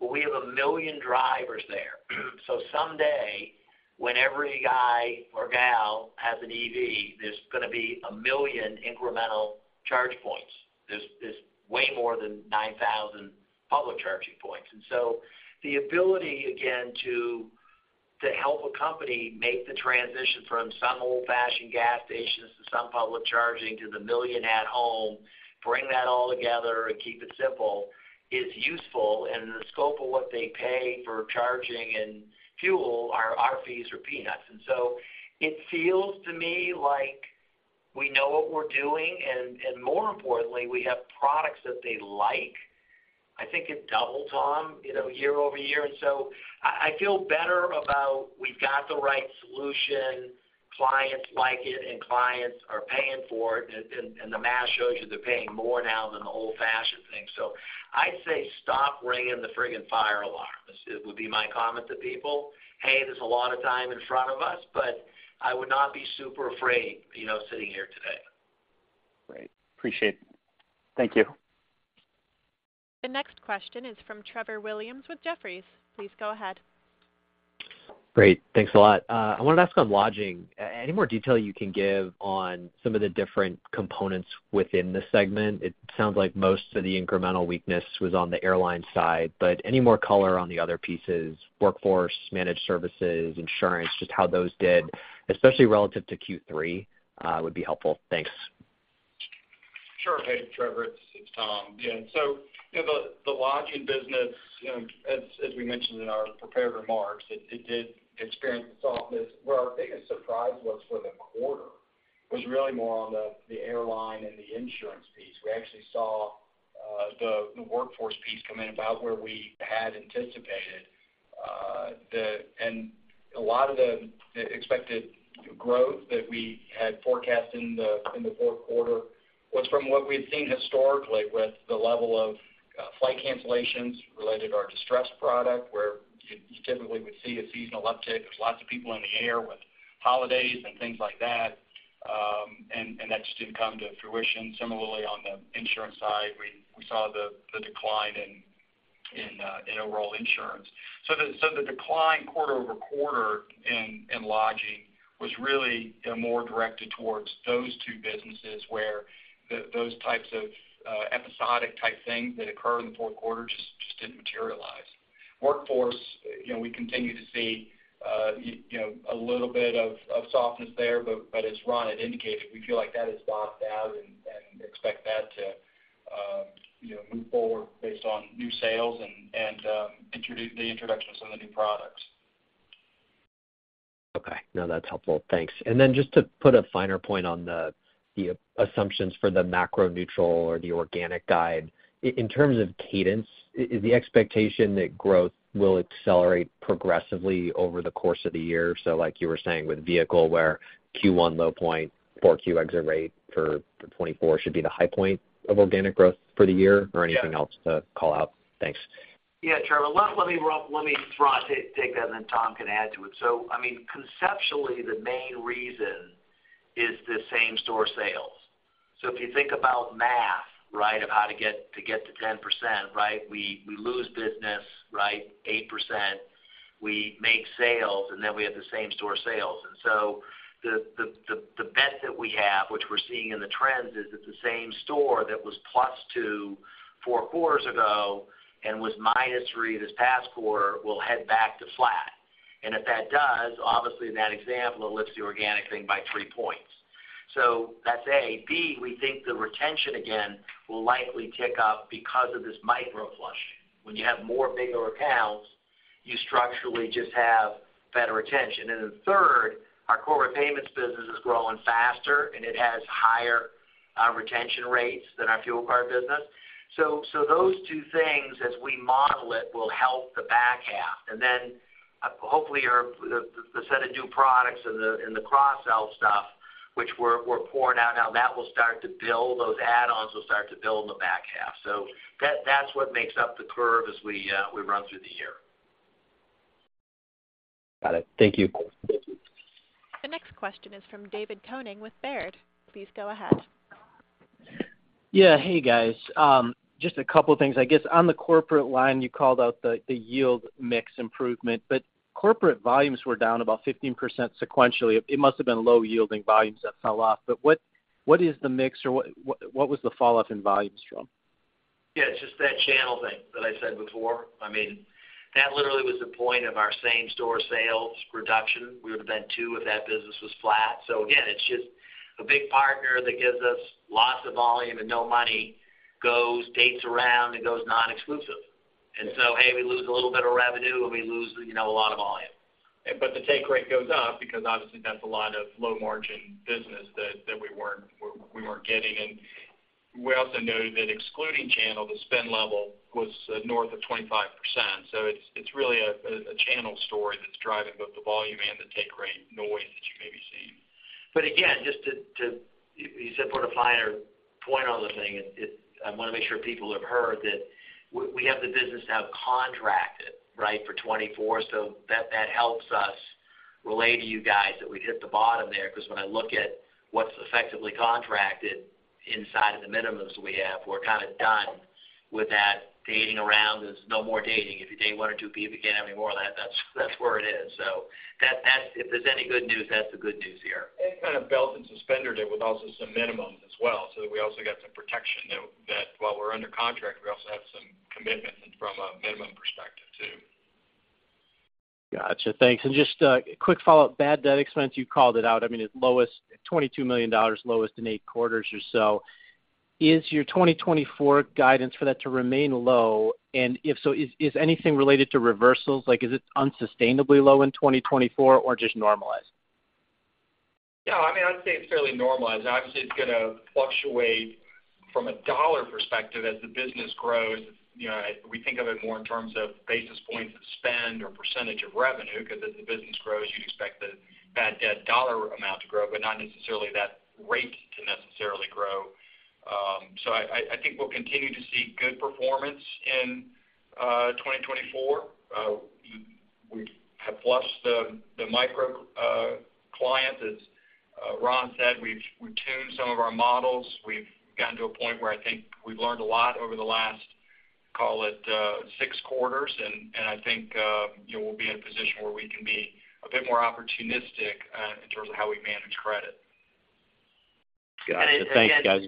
but we have 1 million drivers there. So someday, when every guy or gal has an EV, there's gonna be 1 million incremental charge points. There's way more than 9,000 public charging points. And so the ability, again, to help a company make the transition from some old-fashioned gas stations to some public charging to the million at home, bring that all together and keep it simple, is useful. And the scope of what they pay for charging and fuel, our fees are peanuts. And so it feels to me like we know what we're doing, and more importantly, we have products that they like. I think it doubled, Tom, you know, year-over-year. And so I feel better about we've got the right solution, clients like it, and clients are paying for it, and the math shows you they're paying more now than the old-fashioned thing. So I'd say stop ringing the freaking fire alarm. This would be my comment to people. Hey, there's a lot of time in front of us, but I would not be super afraid, you know, sitting here today. Great. Appreciate it. Thank you. The next question is from Trevor Williams with Jefferies. Please go ahead. Great. Thanks a lot. I wanted to ask on lodging, any more detail you can give on some of the different components within the segment? It sounds like most of the incremental weakness was on the airline side, but any more color on the other pieces, workforce, managed services, insurance, just how those did, especially relative to Q3, would be helpful. Thanks. Sure thing, Trevor. It's Tom. Yeah, so, you know, the lodging business, you know, as we mentioned in our prepared remarks, it did experience softness. Where our biggest surprise was for the quarter was really more on the airline and the insurance piece. We actually saw the workforce piece come in about where we had anticipated. And a lot of the expected growth that we had forecasted in the fourth quarter was from what we had seen historically with the level of flight cancellations related to our distressed product, where you typically would see a seasonal uptick. There's lots of people in the air with holidays and things like that, and that just didn't come to fruition. Similarly, on the insurance side, we saw the decline in overall insurance. So the decline quarter-over-quarter in lodging was really, you know, more directed towards those two businesses, where those types of episodic-type things that occur in the fourth quarter just didn't materialize. Workforce, you know, we continue to see you know, a little bit of softness there, but as Ron had indicated, we feel like that is bottomed out and expect that to, you know, move forward based on new sales and the introduction of some of the new products. Okay. No, that's helpful. Thanks. And then just to put a finer point on the assumptions for the macro neutral or the organic guide, in terms of cadence, is the expectation that growth will accelerate progressively over the course of the year? So like you were saying, with vehicle, where Q1 low point, Q4 exit rate for 2024 should be the high point of organic growth for the year- Yeah... or anything else to call out? Thanks. Yeah, Trevor, let me try to take that, and then Tom can add to it. So I mean, conceptually, the main reason is the same-store sales. So if you think about math, right, of how to get to 10%, right? We lose business, right, 8%. We make sales, and then we have the same-store sales. And so we're seeing in the trends is that the same store that was +2 four quarters ago and was -3 this past quarter, will head back to flat. And if that does, obviously, in that example, it lifts the organic thing by three points. So that's A. B, we think the retention again, will likely tick up because of this micro flush. When you have more bigger accounts, you structurally just have better retention. And then third, our core repayments business is growing faster, and it has higher retention rates than our fuel card business. So those two things, as we model it, will help the back half. And then, hopefully, the set of new products and the cross-sell stuff, which we're pouring out now, that will start to build, those add-ons will start to build in the back half. So that's what makes up the curve as we run through the year. Got it. Thank you. The next question is from David Koning with Baird. Please go ahead. Yeah. Hey, guys. Just a couple of things. I guess on the corporate line, you called out the yield mix improvement, but corporate volumes were down about 15% sequentially. It must have been low yielding volumes that fell off, but what was the falloff in volumes from? Yeah, it's just that channel thing that I said before. I mean, that literally was the point of our same-store sales reduction. We would have been 2% if that business was flat. So again, it's just a big partner that gives us lots of volume and no money, goes, dates around and goes non-exclusive. And so, hey, we lose a little bit of revenue, and we lose, you know, a lot of volume. The take rate goes up because obviously, that's a lot of low-margin business that we weren't getting. We also noted that excluding channel, the spend level was north of 25%. It's really a channel story that's driving both the volume and the take rate noise that you may be seeing. But again, just to... You said put a finer point on the thing, it- I wanna make sure people have heard that we have the business now contracted, right, for 2024, so that, that helps us relay to you guys that we've hit the bottom there. Because when I look at what's effectively contracted inside of the minimums we have, we're kind of done with that dating around. There's no more dating. If you date one or two people, you can't have any more of that. That's, that's where it is. So that, that's-- if there's any good news, that's the good news here. It kind of belt-and-suspenders it with also some minimums as well, so that we also got some protection that, that while we're under contract, we also have some commitments from a minimum perspective, too. Gotcha, thanks. And just a quick follow-up. Bad debt expense, you called it out. I mean, it's lowest, $22 million, lowest in eight quarters or so. Is your 2024 guidance for that to remain low? And if so, is, is anything related to reversals? Like, is it unsustainably low in 2024 or just normalized? No, I mean, I'd say it's fairly normalized. Obviously, it's gonna fluctuate from a dollar perspective as the business grows. You know, we think of it more in terms of basis points of spend or percentage of revenue, because as the business grows, you'd expect the bad debt dollar amount to grow, but not necessarily that rate to necessarily grow. So I think we'll continue to see good performance in 2024. We have flushed the micro clients. As Ron said, we've tuned some of our models. We've gotten to a point where I think we've learned a lot over the last, call it, six quarters, and I think, you know, we'll be in a position where we can be a bit more opportunistic in terms of how we manage credit. Got it. Thanks, guys.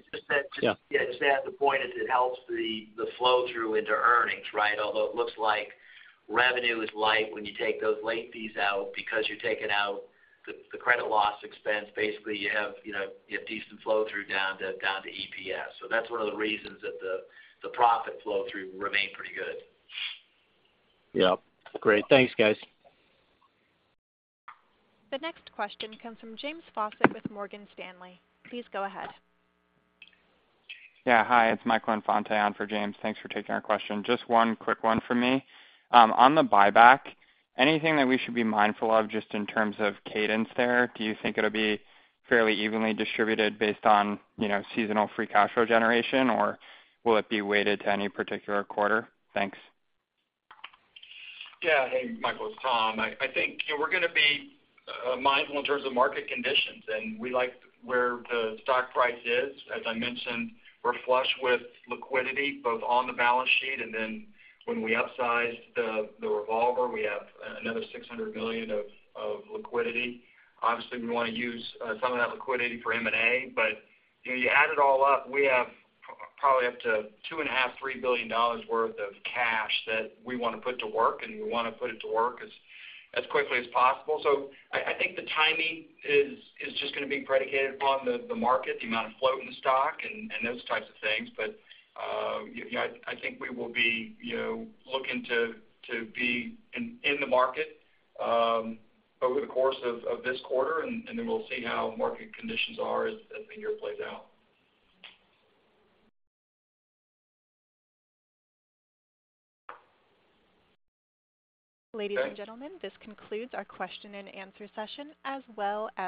Yeah, just to add the point, it helps the flow-through into earnings, right? Although it looks like revenue is light when you take those late fees out, because you're taking out the credit loss expense. Basically, you have, you know, you have decent flow-through down to EPS. So that's one of the reasons that the profit flow-through remain pretty good. Yep. Great. Thanks, guys. The next question comes from James Faucette with Morgan Stanley. Please go ahead. Yeah. Hi, it's Michael Infante on for James. Thanks for taking our question. Just one quick one from me. On the buyback, anything that we should be mindful of just in terms of cadence there? Do you think it'll be fairly evenly distributed based on, you know, seasonal free cash flow generation, or will it be weighted to any particular quarter? Thanks. Yeah. Hey, Michael, it's Tom. I think, you know, we're gonna be mindful in terms of market conditions, and we like where the stock price is. As I mentioned, we're flush with liquidity, both on the balance sheet and then when we upsized the revolver, we have another $600 million of liquidity. Obviously, we want to use some of that liquidity for M&A, but, you know, you add it all up, we have probably up to $2.5 billion-$3 billion worth of cash that we want to put to work, and we want to put it to work as quickly as possible. So I think the timing is just gonna be predicated upon the market, the amount of float in the stock and those types of things. But, you know, I think we will be, you know, looking to be in the market over the course of this quarter, and then we'll see how market conditions are as the year plays out. Ladies and gentlemen, this concludes our question-and-answer session as well as-